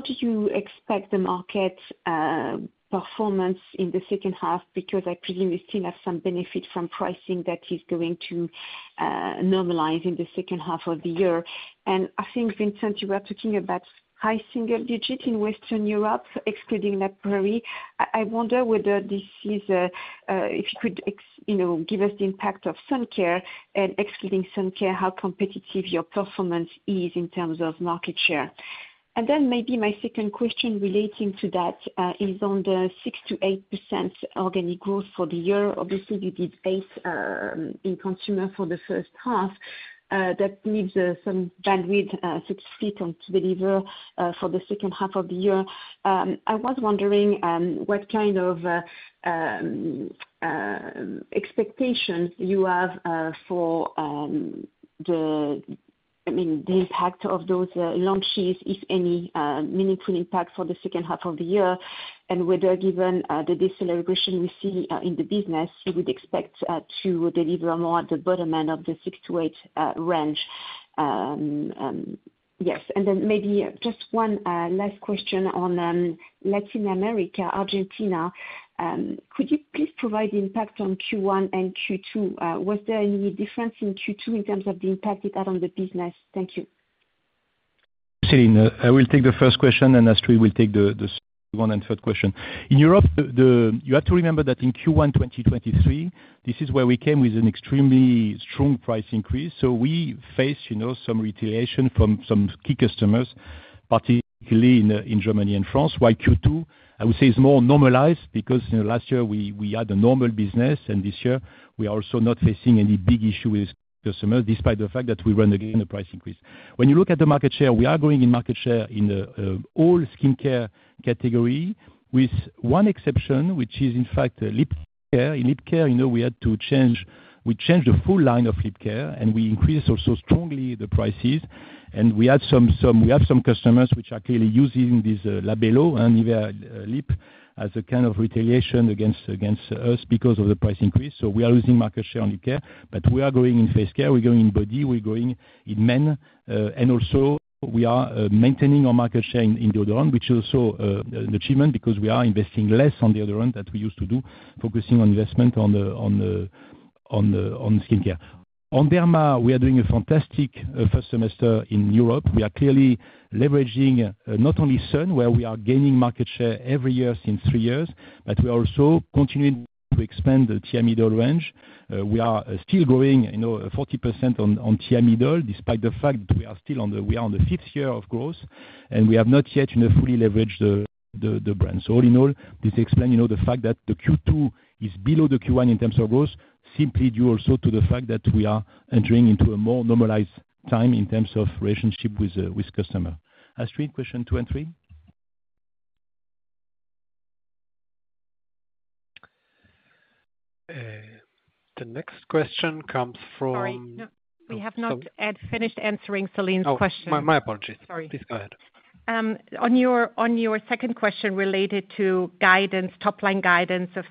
do you expect the market performance in the second half? Because I presume we still have some benefit from pricing that is going to normalize in the second half of the year. And I think, Vincent, you were talking about high single digit in Western Europe, excluding La Prairie. I wonder whether this is, you know, if you could give us the impact of sun care and excluding sun care, how competitive your performance is in terms of market share. And then maybe my second question relating to that is on the 6%-8% organic growth for the year. Obviously, you did base in consumer for the first half. That leaves some bandwidth success to deliver for the second half of the year. I was wondering what kind of expectation you have for the- I mean, the impact of those launches, if any, meaningful impact for the second half of the year, and whether, given the deceleration we see in the business, you would expect to deliver more at the bottom end of the 6-8 range. Yes, and then maybe just one last question on Latin America, Argentina. Could you please provide the impact on Q1 and Q2? Was there any difference in Q2 in terms of the impact it had on the business? Thank you. Celine, I will take the first question, and Astrid will take the second one and third question. In Europe, you have to remember that in Q1, 2023, this is where we came with an extremely strong price increase, so we faced, you know, some retaliation from some key customers, particularly in Germany and France. While Q2, I would say is more normalized because, you know, last year we had a normal business, and this year we are also not facing any big issue with customers, despite the fact that we ran again a price increase. When you look at the market share, we are growing in market share in the all skincare category, with one exception, which is in fact, lip care. In lip care, you know, we had to change, we changed the full line of lip care, and we increased also strongly the prices. We have some customers which are clearly using this Labello and NIVEA Lip as a kind of retaliation against us because of the price increase, so we are losing market share on lip care. But we are growing in face care, we're growing in body, we're growing in men, and also we are maintaining our market share in deodorant, which is also an achievement because we are investing less on deodorant than we used to do, focusing on investment on the skincare. On Derma, we are doing a fantastic first semester in Europe. We are clearly leveraging not only sun, where we are gaining market share every year since three years, but we are also continuing to expand the Thiamidol range. We are still growing, you know, 40% on, on Thiamidol, despite the fact we are still on the- we are on the fifth year of growth, and we have not yet, you know, fully leveraged the, the, the brand. So all in all, this explain, you know, the fact that the Q2 is below the Q1 in terms of growth, simply due also to the fact that we are entering into a more normalized time in terms of relationship with, with customer. Astrid, question two and three? The next question comes from Sorry, no, we have not finished answering Celine's question. Oh, my, my apologies. Sorry. Please go ahead. On your, on your second question related to guidance, top line guidance of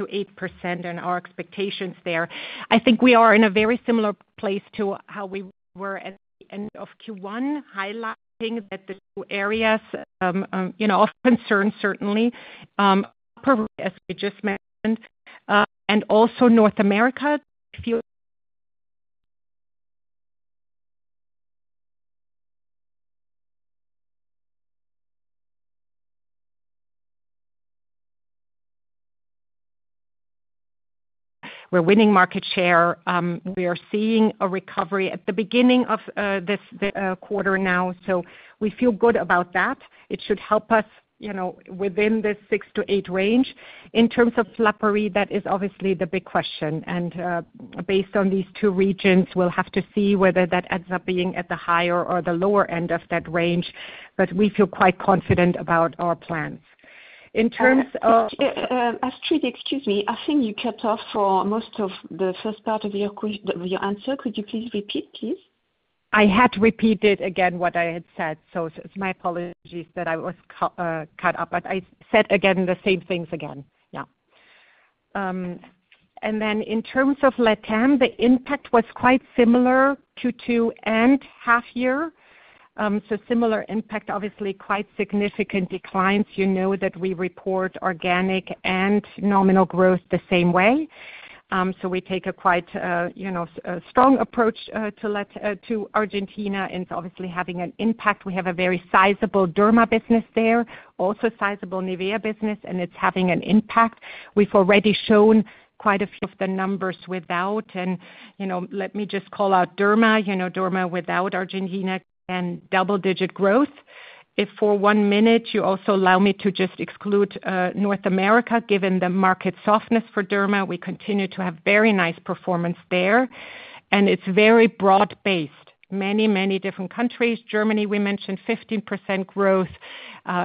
6%-8% and our expectations there, I think we are in a very similar place to how we were at the end of Q1, highlighting that the two areas, you know, of concern certainly, as we just mentioned, and also North America, feel... We're winning market share, we are seeing a recovery at the beginning of, this, quarter now, so we feel good about that. It should help us, you know, within this 6%-8% range. In terms of La Prairie, that is obviously the big question, and, based on these two regions, we'll have to see whether that ends up being at the higher or the lower end of that range, but we feel quite confident about our plans. In terms of. Astrid, excuse me, I think you cut off for most of the first part of your question, your answer. Could you please repeat, please? I had repeated again what I had said, so my apologies that I was cut up, but I said again the same things again. Yeah. And then in terms of LATAM, the impact was quite similar to end half year. So similar impact, obviously quite significant declines. You know that we report organic and nominal growth the same way. So we take a quite, you know, a strong approach to LATAM to Argentina, and it's obviously having an impact. We have a very sizable Derma business there, also sizable NIVEA business, and it's having an impact. We've already shown quite a few of the numbers without, and, you know, let me just call out Derma. You know, Derma without Argentina and double-digit growth. If for one minute you also allow me to just exclude, North America, given the market softness for Derma, we continue to have very nice performance there, and it's very broad based. Many, many different countries. Germany, we mentioned 15% growth,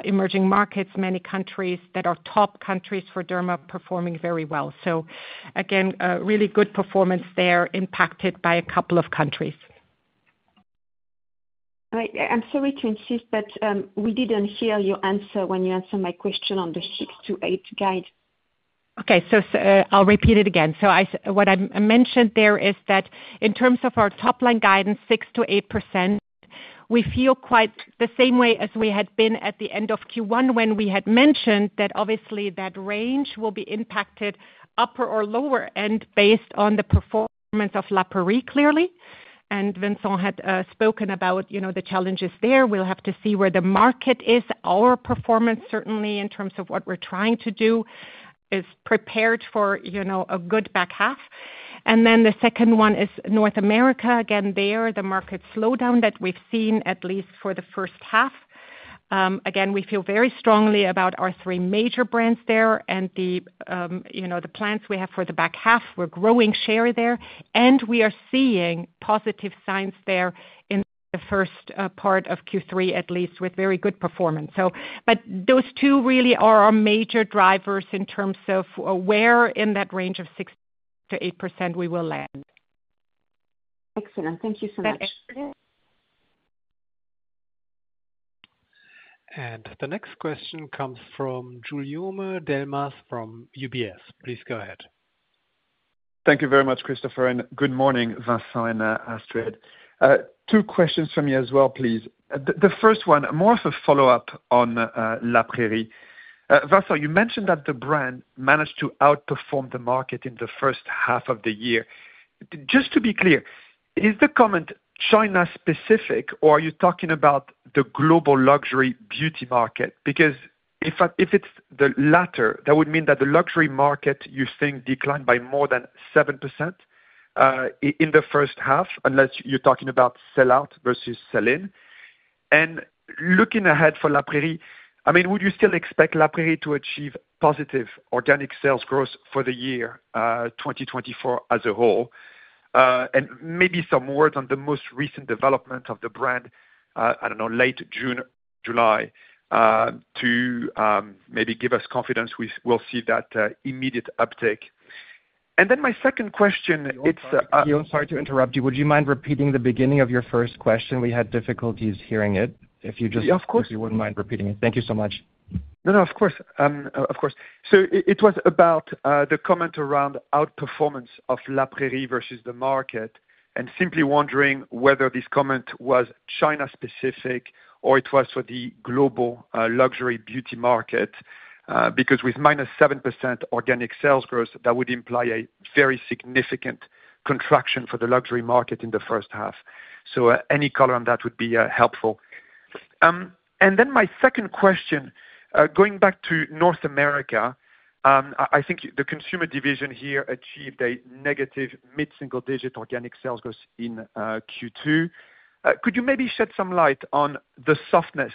emerging markets, many countries that are top countries for Derma performing very well. So again, a really good performance there, impacted by a couple of countries. I'm sorry to insist, but we didn't hear your answer when you answered my question on the 6-8 guide. Okay, so I'll repeat it again. So what I mentioned there is that in terms of our top line guidance, 6%-8%, we feel quite the same way as we had been at the end of Q1, when we had mentioned that obviously that range will be impacted upper or lower end based on the performance of La Prairie, clearly. And Vincent had spoken about, you know, the challenges there. We'll have to see where the market is. Our performance, certainly in terms of what we're trying to do, is prepared for, you know, a good back half. And then the second one is North America. Again, there, the market slowdown that we've seen, at least for the first half, again, we feel very strongly about our three major brands there and the, you know, the plans we have for the back half, we're growing share there, and we are seeing positive signs there in the first part of Q3, at least with very good performance. So, but those two really are our major drivers in terms of where in that range of 6%-8% we will land. Excellent. Thank you so much. That's it. The next question comes from Guillaume Delmas from UBS. Please go ahead. Thank you very much, Christopher, and good morning, Vincent and Astrid. Two questions from me as well, please. The first one, more of a follow-up on La Prairie. Vincent, you mentioned that the brand managed to outperform the market in the first half of the year. Just to be clear, is the comment China-specific, or are you talking about the global luxury beauty market? Because if it's the latter, that would mean that the luxury market, you think, declined by more than 7%, in the first half, unless you're talking about sell out versus sell-in. And looking ahead for La Prairie, I mean, would you still expect La Prairie to achieve positive organic sales growth for the year, 2024 as a whole? Maybe some word on the most recent development of the brand, I don't know, late June, July, to maybe give us confidence we'll see that immediate uptick. Then my second question, it's Guillaume, sorry to interrupt you. Would you mind repeating the beginning of your first question? We had difficulties hearing it. If you just Yeah, of course. If you wouldn't mind repeating it. Thank you so much. No, no, of course. So it was about the comment around outperformance of La Prairie versus the market, and simply wondering whether this comment was China-specific or it was for the global luxury beauty market. Because with minus 7% organic sales growth, that would imply a very significant contraction for the luxury market in the first half. So any color on that would be helpful. And then my second question, going back to North America, I think the consumer division here achieved a negative mid-single digit organic sales growth in Q2. Could you maybe shed some light on the softness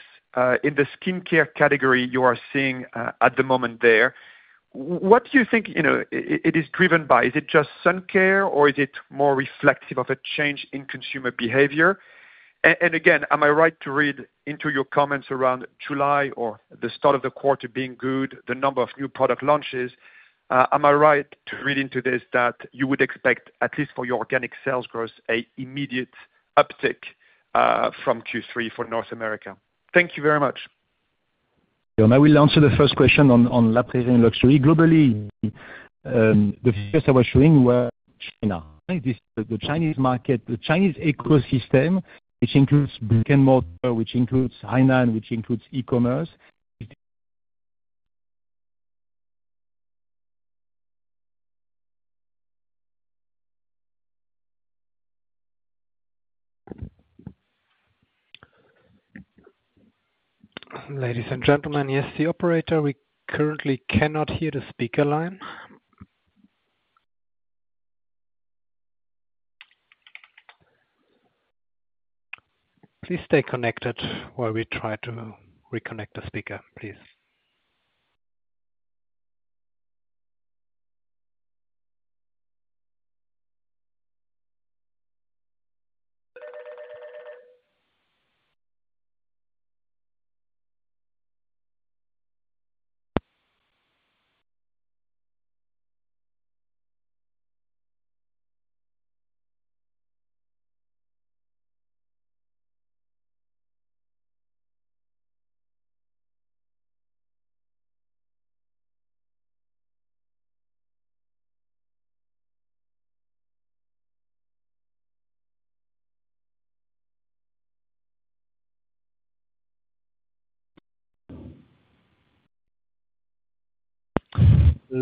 in the skincare category you are seeing at the moment there? What do you think, you know, it is driven by? Is it just sun care, or is it more reflective of a change in consumer behavior? And again, am I right to read into your comments around July or the start of the quarter being good, the number of new product launches, am I right to read into this that you would expect, at least for your organic sales growth, a immediate uptick, from Q3 for North America? Thank you very much. I will answer the first question on La Prairie and luxury. Globally, the first I was showing were China. This, the Chinese market, the Chinese ecosystem, which includes brick-and-mortar, which includes Hainan, which includes e-commerce. Ladies and gentlemen, yes, the operator, we currently cannot hear the speaker line. Please stay connected while we try to reconnect the speaker, please.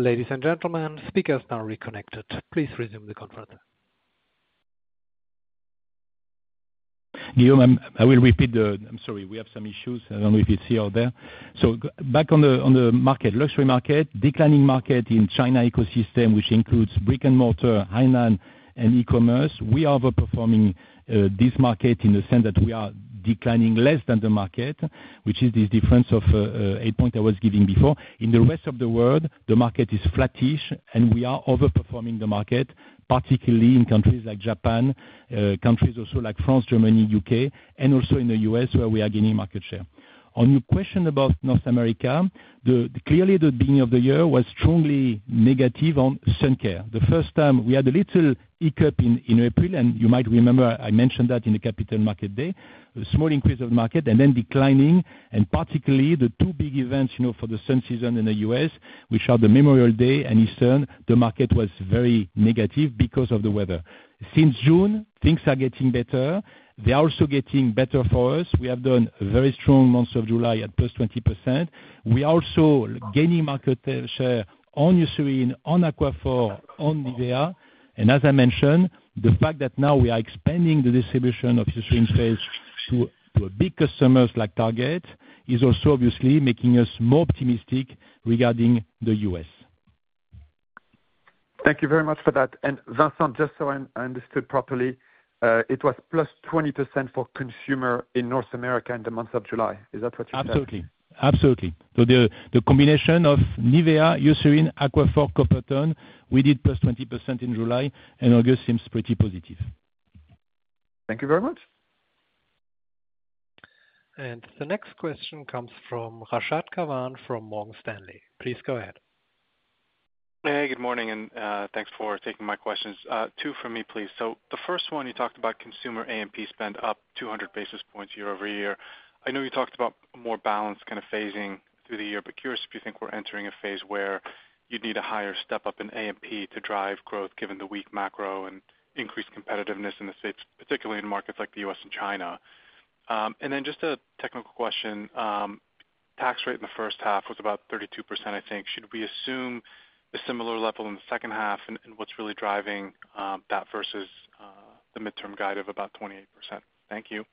Ladies and gentlemen, speaker's now reconnected. Please resume the conference. Guillaume, I will repeat. I'm sorry, we have some issues. I don't know if it's here or there. So back on the market, luxury market, declining market in China ecosystem, which includes brick-and-mortar, Hainan, and e-commerce, we are outperforming this market in the sense that we are declining less than the market, which is the difference of eight point I was giving before. In the rest of the world, the market is flattish, and we are overperforming the market, particularly in countries like Japan, countries also like France, Germany, U.K., and also in the U.S., where we are gaining market share. On your question about North America, clearly the beginning of the year was strongly negative on sun care. The first time, we had a little hiccup in April, and you might remember I mentioned that in the Capital Markets Day. A small increase of market and then declining, and particularly the two big events, you know, for the sun season in the U.S., which are the Memorial Day and Easter, the market was very negative because of the weather. Since June, things are getting better. They are also getting better for us. We have done a very strong month of July at plus 20%. We are also gaining market share on Eucerin, on Aquaphor, on NIVEA. And as I mentioned, the fact that now we are expanding the distribution of Eucerin Face to big customers like Target is also obviously making us more optimistic regarding the U.S. Thank you very much for that. Vincent, just so I, I understood properly, it was +20% for consumer in North America in the month of July. Is that what you said? Absolutely. Absolutely. So the combination of NIVEA, Eucerin, Aquaphor, Coppertone, we did +20% in July and August seems pretty positive. Thank you very much. The next question comes from Rashad Kawan from Morgan Stanley. Please go ahead. Hey, good morning, and, thanks for taking my questions. Two for me, please. So the first one, you talked about consumer A&P spend up 200 basis points year-over-year. I know you talked about more balanced kind of phasing through the year, but curious if you think we're entering a phase where you'd need a higher step up in A&P to drive growth, given the weak macro and increased competitiveness in the States, particularly in markets like the US and China? And then just a technical question. Tax rate in the first half was about 32%, I think. Should we assume a similar level in the second half, and, and what's really driving, that versus, the midterm guide of about 28%? Thank you.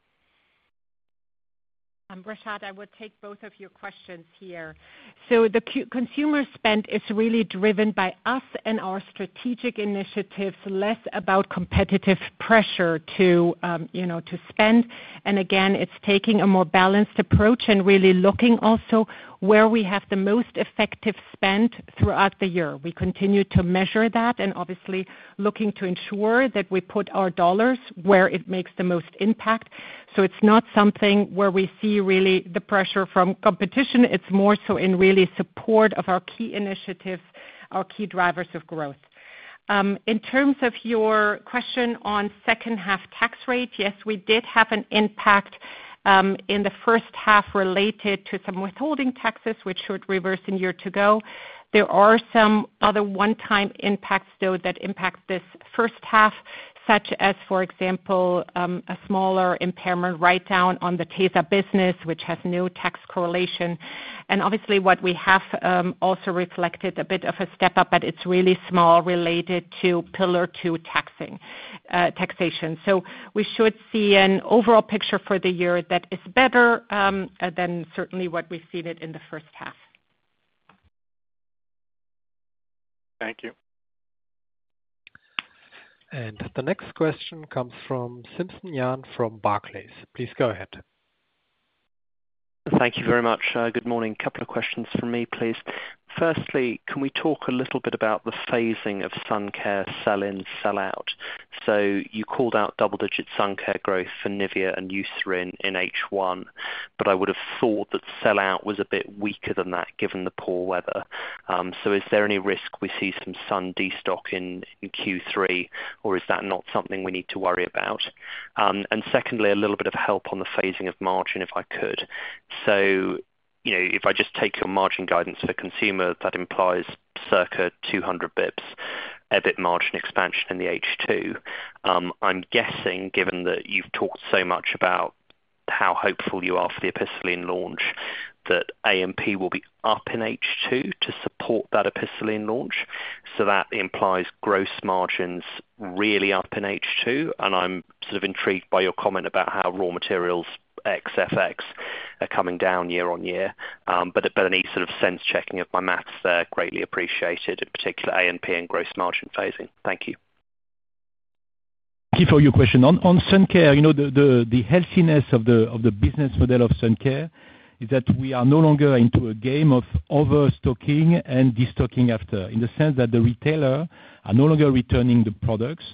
Rashad, I will take both of your questions here. So the consumer spend is really driven by us and our strategic initiatives, less about competitive pressure to, you know, to spend. And again, it's taking a more balanced approach and really looking also where we have the most effective spend throughout the year. We continue to measure that, and obviously looking to ensure that we put our dollars where it makes the most impact. So it's not something where we see really the pressure from competition. It's more so in really support of our key initiatives, our key drivers of growth. In terms of your question on second half tax rate, yes, we did have an impact, in the first half related to some withholding taxes, which should reverse in year to go. There are some other one-time impacts, though, that impact this first half, such as, for example, a smaller impairment write-down on the tesa business, which has no tax correlation. And obviously, what we have, also reflected a bit of a step up, but it's really small, related to Pillar Two taxation. So we should see an overall picture for the year that is better, than certainly what we've seen it in the first half. Thank you. The next question comes from Iain Simpson from Barclays. Please go ahead. Thank you very much. Good morning. A couple of questions from me, please. Firstly, can we talk a little bit about the phasing of sun care sell-in, sell-out? So you called out double-digit sun care growth for NIVEA and Eucerin in H1, but I would have thought that sell-out was a bit weaker than that, given the poor weather. So is there any risk we see some sun destock in Q3, or is that not something we need to worry about? And secondly, a little bit of help on the phasing of margin, if I could. So, you know, if I just take your margin guidance for consumer, that implies circa 200 basis points EBIT margin expansion in the H2. I'm guessing, given that you've talked so much about how hopeful you are for the Epicelline launch, that A&P will be up in H2 to support that Epicelline launch. So that implies gross margins really up in H2, and I'm sort of intrigued by your comment about how raw materials ex FX are coming down year on year. But, but any sort of sense checking of my math there, greatly appreciated, in particular A&P and gross margin phasing. Thank you. Thank you for your question. On sun care, you know, the healthiness of the business model of sun care is that we are no longer into a game of overstocking and destocking after, in the sense that the retailers are no longer returning the products.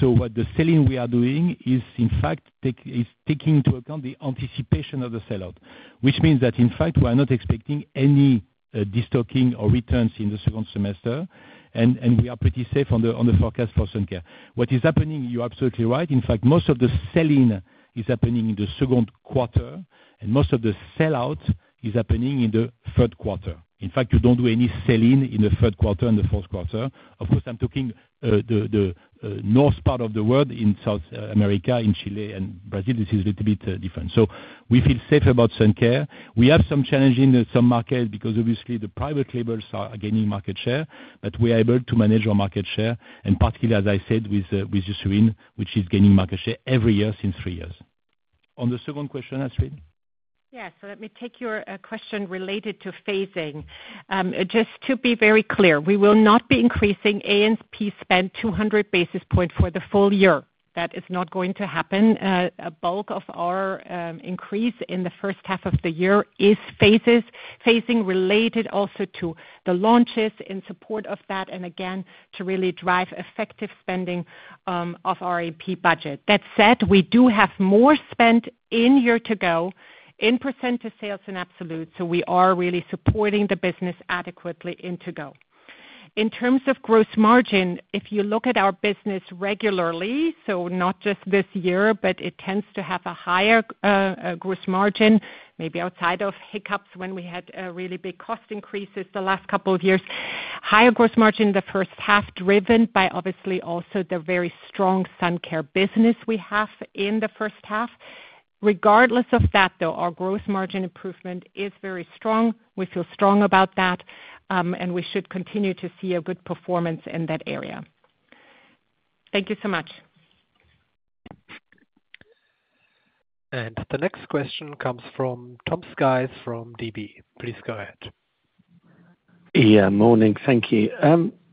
So what the sell-in we are doing is, in fact, is taking into account the anticipation of the sellout. Which means that, in fact, we are not expecting any destocking or returns in the second semester, and we are pretty safe on the forecast for sun care. What is happening, you're absolutely right. In fact, most of the sell-in is happening in the second quarter, and most of the sellout is happening in the third quarter. In fact, you don't do any sell in in the third quarter and the fourth quarter. Of course, I'm talking, the, the, north part of the world, in South America, in Chile and Brazil, this is a little bit, different. So we feel safe about sun care. We have some challenge in some markets, because obviously the private labels are gaining market share, but we are able to manage our market share, and particularly, as I said, with, with Eucerin, which is gaining market share every year, since three years. On the second question, Astrid? Yeah. So let me take your question related to phasing. Just to be very clear, we will not be increasing A&P spend 200 basis points for the full year. That is not going to happen. A bulk of our increase in the first half of the year is phasing related also to the launches in support of that, and again, to really drive effective spending of our A&P budget. That said, we do have more spend in year to go, in percent to sales in absolute, so we are really supporting the business adequately in to go.... In terms of gross margin, if you look at our business regularly, so not just this year, but it tends to have a higher gross margin, maybe outside of hiccups when we had really big cost increases the last couple of years. Higher gross margin in the first half, driven by obviously also the very strong sun care business we have in the first half. Regardless of that, though, our gross margin improvement is very strong. We feel strong about that, and we should continue to see a good performance in that area. Thank you so much. The next question comes from Tom Sykes from DB. Please go ahead. Yeah, morning. Thank you.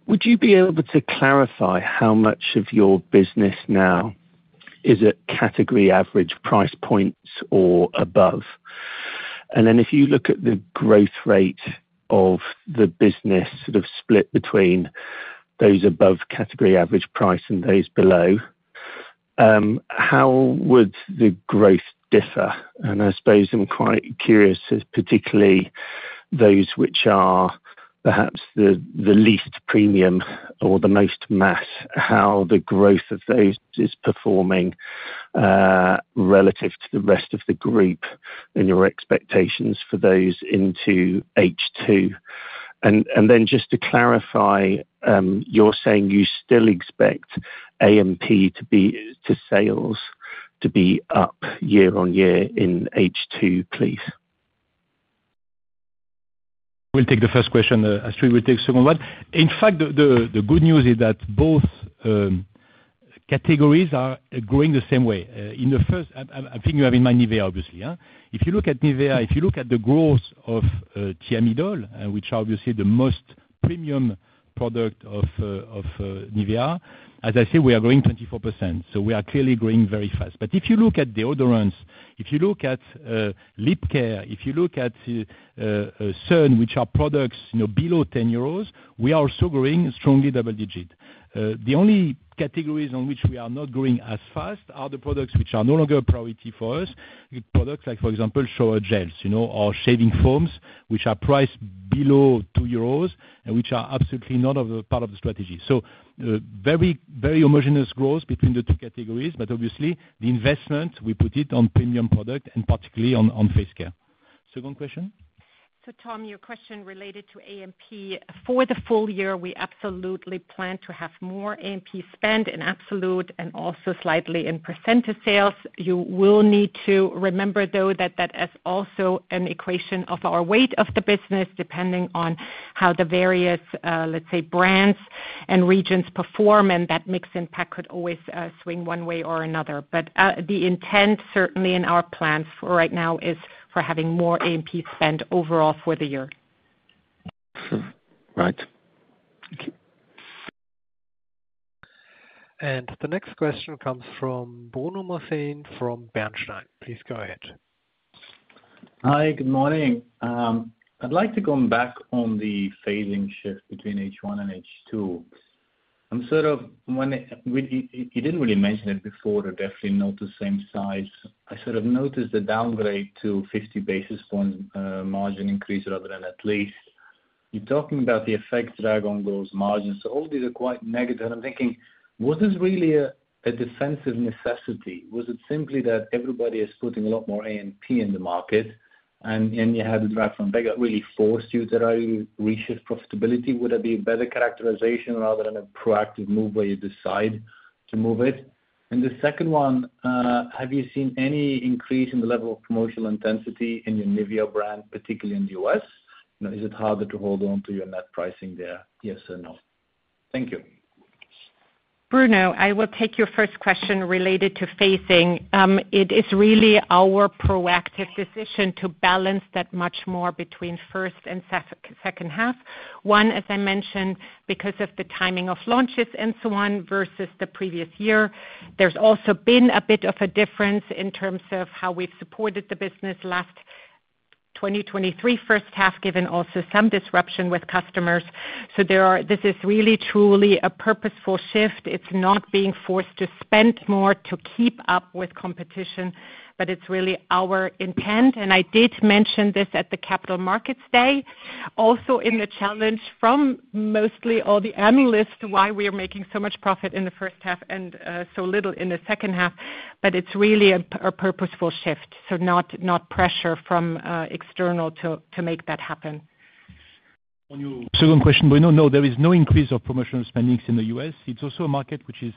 Would you be able to clarify how much of your business now is at category average price points or above? And then if you look at the growth rate of the business, sort of split between those above category average price and those below, how would the growth differ? And I suppose I'm quite curious as particularly those which are perhaps the, the least premium or the most mass, how the growth of those is performing, relative to the rest of the group and your expectations for those into H2. And, and then just to clarify, you're saying you still expect A&P to be, to sales to be up year-on-year in H2, please? We'll take the first question, Astrid will take the second one. In fact, the good news is that both categories are growing the same way. In the first, I think you have in mind NIVEA, obviously, yeah? If you look at NIVEA, if you look at the growth of Thiamidol, which are obviously the most premium product of NIVEA, as I say, we are growing 24%, so we are clearly growing very fast. But if you look at deodorants, if you look at lip care, if you look at sun, which are products, you know, below 10 euros, we are still growing strongly double-digit. The only categories on which we are not growing as fast are the products which are no longer a priority for us. Products like, for example, shower gels, you know, or shaving foams, which are priced below 2 euros and which are absolutely not a part of the strategy. So, very, very homogeneous growth between the two categories, but obviously the investment we put it on premium product and particularly on face care. Second question? So, Tom, your question related to A&P. For the full year, we absolutely plan to have more A&P spend in absolute and also slightly in percentage sales. You will need to remember, though, that that is also an equation of our weight of the business, depending on how the various, let's say, brands and regions perform, and that mix impact could always, swing one way or another. But, the intent, certainly in our plans for right now, is for having more A&P spend overall for the year. Right. Thank you. The next question comes from Bruno Monteyne from Bernstein. Please go ahead. Hi, good morning. I'd like to come back on the phasing shift between H1 and H2. I'm sort of, you didn't really mention it before, they're definitely not the same size. I sort of noticed a downgrade to 50 basis points margin increase rather than at least. You're talking about the effects that are on those margins, so all these are quite negative, and I'm thinking: Was this really a defensive necessity? Was it simply that everybody is putting a lot more A&P in the market, and you had to drive from NIVEA, really forced you to reshift profitability? Would that be a better characterization rather than a proactive move where you decide to move it? And the second one, have you seen any increase in the level of promotional intensity in your NIVEA brand, particularly in the U.S.? You know, is it harder to hold on to your net pricing there, yes or no? Thank you. Bruno, I will take your first question related to phasing. It is really our proactive decision to balance that much more between first and second half. One, as I mentioned, because of the timing of launches and so on, versus the previous year. There's also been a bit of a difference in terms of how we've supported the business last 2023 first half, given also some disruption with customers. So there are... This is really, truly a purposeful shift. It's not being forced to spend more to keep up with competition, but it's really our intent, and I did mention this at the Capital Markets Day. Also, in the challenge from mostly all the analysts, why we are making so much profit in the first half and so little in the second half, but it's really a purposeful shift, so not pressure from external to make that happen. On your second question, we know, no, there is no increase of promotional spending in the U.S. It's also a market which is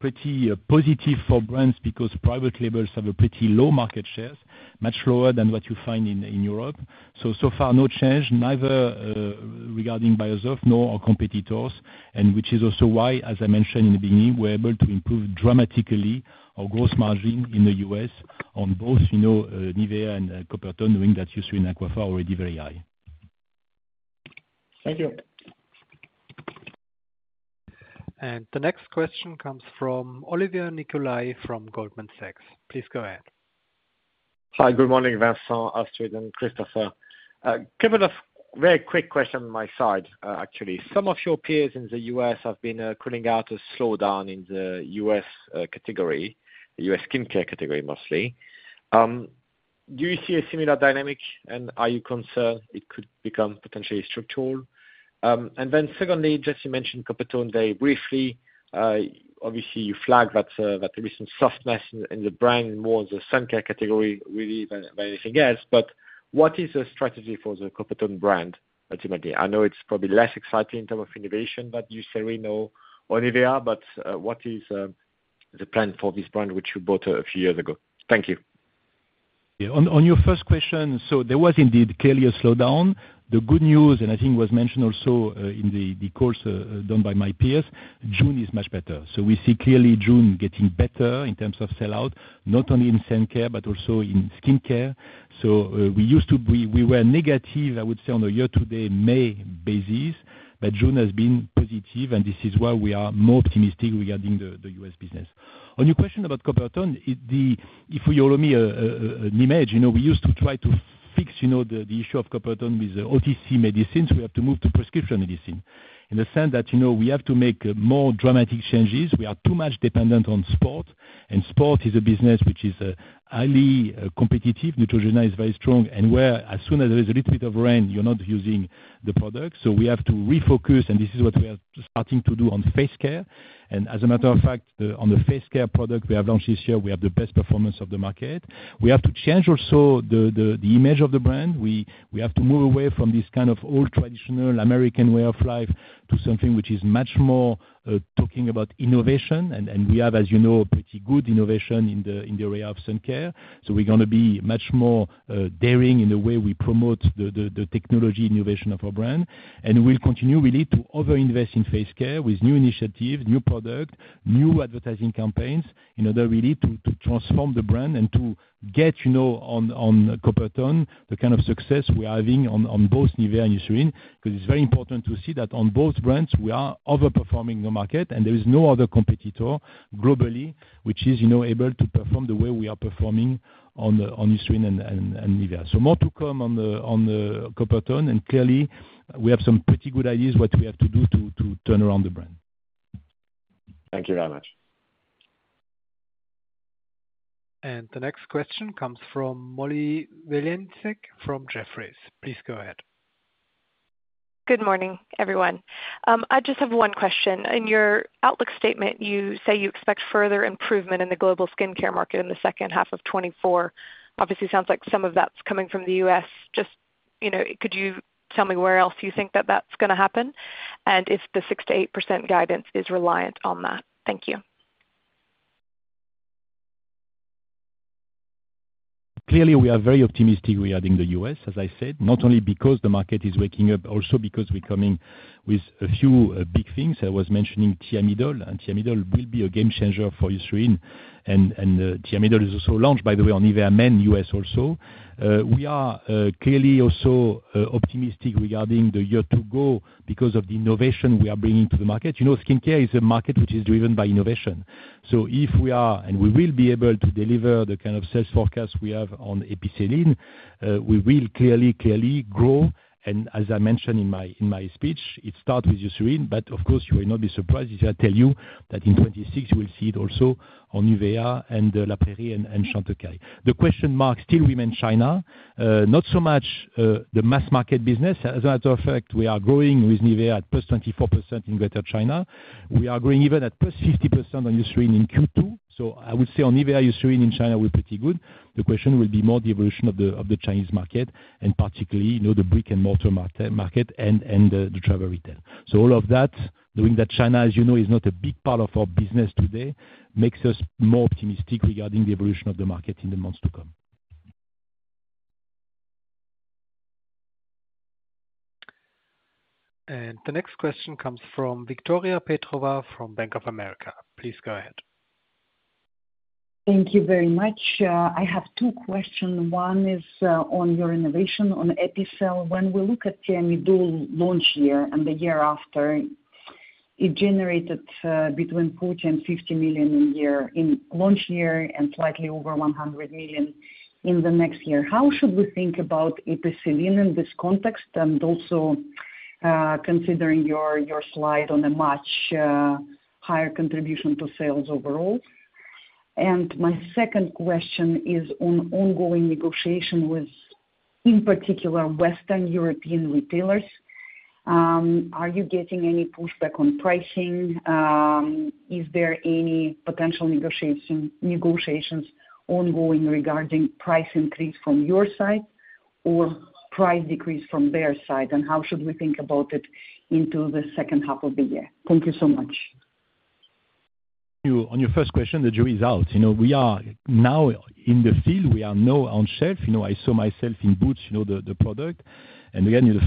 pretty positive for brands because private labels have a pretty low market share, much lower than what you find in Europe. So, so far, no change, neither regarding Beiersdorf nor our competitors, and which is also why, as I mentioned in the beginning, we're able to improve dramatically our gross margin in the U.S. on both, you know, NIVEA and Coppertone, knowing that Eucerin Aquaphor already very high. Thank you. The next question comes from Olivier Nicolai, from Goldman Sachs. Please go ahead. Hi, good morning, Vincent, Astrid, and Christopher. Couple of very quick questions on my side, actually. Some of your peers in the U.S. have been calling out to slow down in the U.S. category, the U.S. skincare category, mostly do you see a similar dynamic, and are you concerned it could become potentially structural? And then secondly, Jesse mentioned Coppertone very briefly. Obviously, you flagged that there is some softness in the brand, more the sun care category really than anything else, but what is the strategy for the Coppertone brand ultimately? I know it's probably less exciting in term of innovation, but Eucerin or NIVEA, but what is the plan for this brand which you bought a few years ago? Thank you. Yeah, on your first question, so there was indeed clearly a slowdown. The good news, and I think it was mentioned also, in the calls done by my peers, June is much better. So we see clearly June getting better in terms of sellout, not only in sun care, but also in skincare. So, we used to be—we were negative, I would say, on the year to date May basis, but June has been positive, and this is why we are more optimistic regarding the U.S. business. On your question about Coppertone, if you allow me an image, you know, we used to try to fix, you know, the issue of Coppertone with OTC medicines; we have to move to prescription medicine. In the sense that, you know, we have to make more dramatic changes. We are too much dependent on sport, and sport is a business which is highly competitive. Neutrogena is very strong, and whereas as soon as there is a little bit of rain, you're not using the product, so we have to refocus, and this is what we are starting to do on face care. As a matter of fact, on the face care product we have launched this year, we have the best performance of the market. We have to change also the image of the brand. We have to move away from this kind of old, traditional American way of life, to something which is much more talking about innovation. We have, as you know, pretty good innovation in the area of sun care. So we're gonna be much more daring in the way we promote the technology innovation of our brand. And we'll continue; we need to over-invest in face care with new initiative, new product, new advertising campaigns, in order really to transform the brand and to get, you know, on Coppertone, the kind of success we are having on both NIVEA and Eucerin. 'Cause it's very important to see that on both brands, we are overperforming the market, and there is no other competitor globally, which is, you know, able to perform the way we are performing on Eucerin and NIVEA. So more to come on the Coppertone, and clearly, we have some pretty good ideas what we have to do to turn around the brand. Thank you very much. The next question comes from Molly Wylenzek from Jefferies. Please go ahead. Good morning, everyone. I just have one question. In your outlook statement, you say you expect further improvement in the global skincare market in the second half of 2024. Obviously, sounds like some of that's coming from the US. Just, you know, could you tell me where else you think that that's gonna happen? And if the 6%-8% guidance is reliant on that? Thank you. Clearly, we are very optimistic regarding the US, as I said, not only because the market is waking up, also because we're coming with a few, big things. I was mentioning Thiamidol, and Thiamidol will be a game changer for Eucerin. And Thiamidol is also launched, by the way, on NIVEA Men US also. We are clearly also optimistic regarding the year to go because of the innovation we are bringing to the market. You know, skincare is a market which is driven by innovation. So if we are, and we will be able to deliver the kind of sales forecast we have on Epicelline, we will clearly, clearly grow. As I mentioned in my speech, it start with Eucerin, but of course, you will not be surprised if I tell you that in 2026, we'll see it also on NIVEA and La Prairie and Chantecaille. The question mark still remain China. Not so much the mass market business. As a matter of fact, we are growing with NIVEA at +24% in Greater China. We are growing even at +50% on Eucerin in Q2, so I would say on NIVEA and Eucerin in China, we're pretty good. The question will be more the evolution of the Chinese market, and particularly, you know, the brick and mortar market and the travel retail. All of that, knowing that China, as you know, is not a big part of our business today, makes us more optimistic regarding the evolution of the market in the months to come. The next question comes from Victoria Petrova from Bank of America. Please go ahead. Thank you very much. I have two question. One is on your innovation on Epicelline. When we look at Thiamidol launch year and the year after, it generated between 40 million and 50 million in launch year, and slightly over 100 million in the next year. How should we think about Epicelline in this context, and also considering your slide on a much higher contribution to sales overall? And my second question is on ongoing negotiation with, in particular, Western European retailers. Are you getting any pushback on pricing? Is there any potential negotiation, negotiations ongoing regarding price increase from your side, or price decrease from their side, and how should we think about it into the second half of the year? Thank you so much. On your first question, the jury is out. You know, we are now in the field. We are now on shelf. You know, I saw myself in Boots, you know, the highest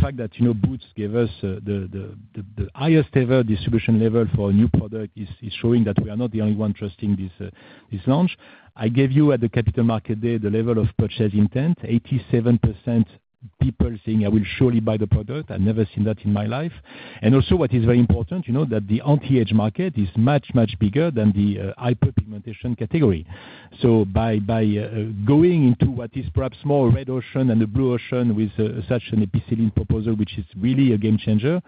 ever distribution level for a new product is showing that we are not the only one trusting this launch. I gave you at the Capital Markets Day, the level of purchase intent, 87% people saying, "I will surely buy the product." I've never seen that in my life. And also, what is very important, you know, that the anti-age market is much, much bigger than the hyperpigmentation category. So by going into what is perhaps more red ocean than the blue ocean with such an Epicelline proposal, which is really a game changer,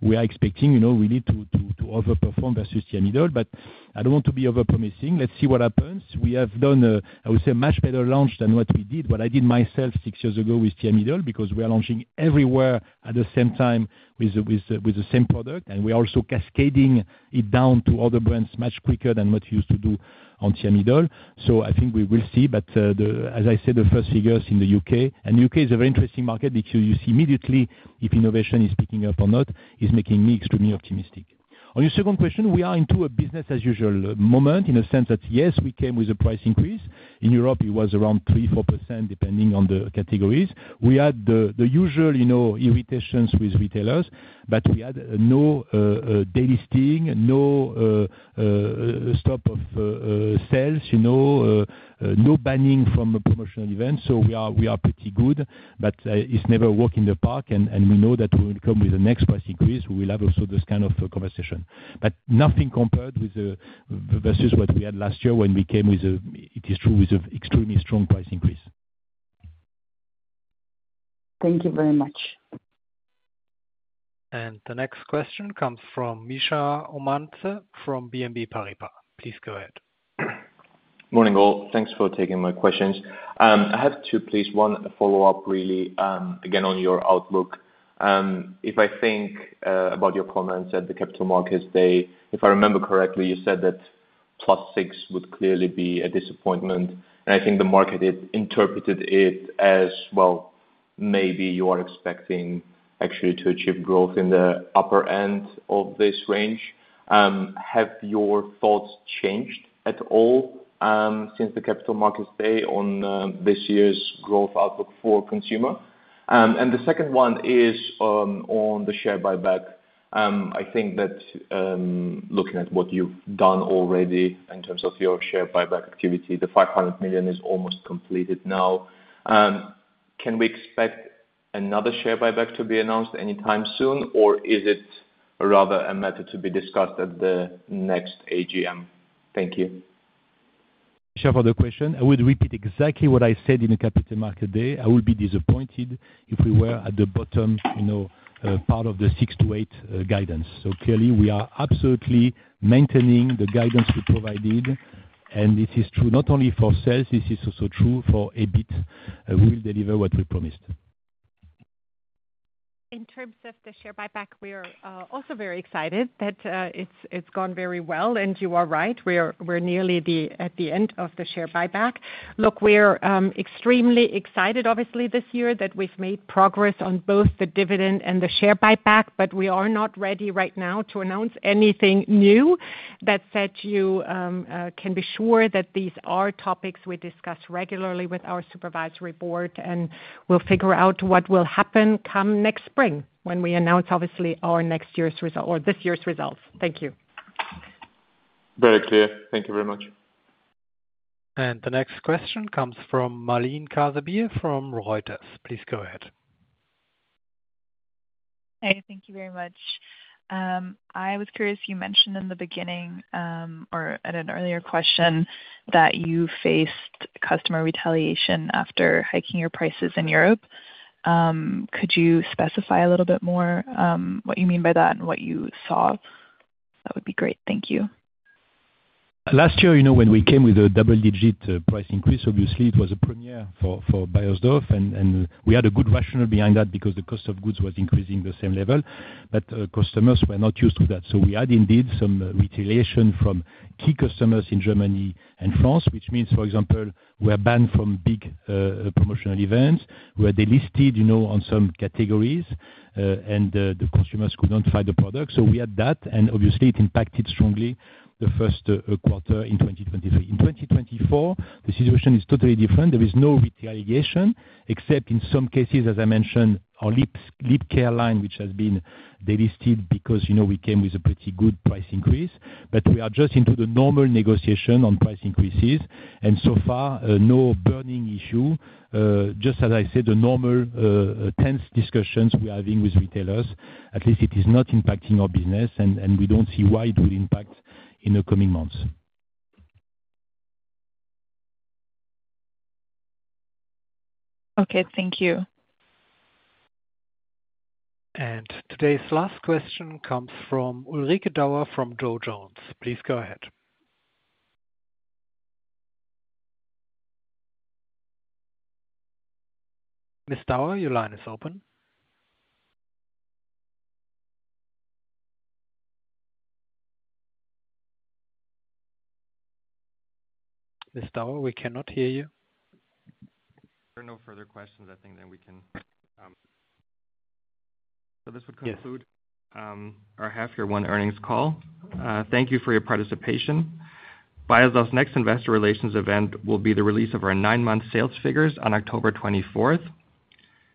we are expecting, you know, really to overperform versus Thiamidol. But I don't want to be over-promising. Let's see what happens. We have done, I would say, a much better launch than what we did, what I did myself six years ago with Thiamidol, because we are launching everywhere at the same time with the same product, and we're also cascading it down to other brands much quicker than what we used to do on Thiamidol. So I think we will see, but as I said, the first figures in the UK, and UK is a very interesting market because you see immediately if innovation is picking up or not, is making me extremely optimistic. On your second question, we are into a business-as-usual moment, in a sense that, yes, we came with a price increase. In Europe, it was around 3-4%, depending on the categories. We had the usual, you know, irritations with retailers, but we had no delisting, no stop of sales, you know, no banning from the promotional event, so we are pretty good, but it's never a walk in the park, and we know that when we come with the next price increase, we will have also this kind of conversation. But nothing compared with the versus what we had last year when we came with a, it is true, with an extremely strong price increase. Thank you very much. The next question comes from Mikheil Omanadze from BNP Paribas. Please go ahead. Morning, all. Thanks for taking my questions. I have two, please. One follow-up, really, again, on your outlook. If I think about your comments at the Capital Markets Day, if I remember correctly, you said that +6 would clearly be a disappointment, and I think the market it interpreted it as, well, maybe you are expecting actually to achieve growth in the upper end of this range. Have your thoughts changed at all since the Capital Markets Day on this year's growth outlook for consumer? And the second one is on the share buyback. I think that looking at what you've done already in terms of your share buyback activity, the 500 million is almost completed now. Can we expect another share buyback to be announced anytime soon, or is it rather a matter to be discussed at the next AGM? Thank you. Thank you for the question. I would repeat exactly what I said in the Capital Market Day. I would be disappointed if we were at the bottom, you know, part of the 6-8 guidance. So clearly, we are absolutely maintaining the guidance we provided, and this is true not only for sales, this is also true for EBIT. We will deliver what we promised. In terms of the share buyback, we are also very excited that it's gone very well, and you are right. We're nearly at the end of the share buyback. Look, we're extremely excited, obviously, this year that we've made progress on both the dividend and the share buyback, but we are not ready right now to announce anything new. That said, you can be sure that these are topics we discuss regularly with our supervisory board, and we'll figure out what will happen come next spring, when we announce, obviously, our next year's result or this year's results. Thank you. Very clear. Thank you very much. The next question comes from Marleen Kaesebier from Reuters. Please go ahead. Hi, thank you very much. I was curious, you mentioned in the beginning, or at an earlier question, that you faced customer retaliation after hiking your prices in Europe. Could you specify a little bit more, what you mean by that and what you saw? That would be great. Thank you. Last year, you know, when we came with a double-digit price increase, obviously it was a premiere for Beiersdorf, and we had a good rationale behind that because the cost of goods was increasing the same level. But customers were not used to that. So we had indeed some retaliation from key customers in Germany and France, which means, for example, we are banned from big promotional events. We are delisted, you know, on some categories, and the consumers could not find the product. So we had that, and obviously it impacted strongly the first quarter in 2023. In 2024, the situation is totally different. There is no retaliation except in some cases, as I mentioned, our lip care line, which has been delisted because, you know, we came with a pretty good price increase. But we are just into the normal negotiation on price increases, and so far, no burning issue. Just as I said, the normal, tense discussions we are having with retailers, at least it is not impacting our business, and we don't see why it will impact in the coming months. Okay. Thank you. Today's last question comes from Ulrike Dauer from Dow Jones. Please go ahead. Ms. Dauer, your line is open. Ms. Dauer, we cannot hear you. If there are no further questions, I think then we can, so this would conclude Yes. Our half-year 1 earnings call. Thank you for your participation. Beiersdorf's next investor relations event will be the release of our 9-month sales figures on October 24th.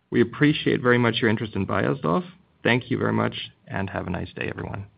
We appreciate very much your interest in Beiersdorf. Thank you very much, and have a nice day, everyone.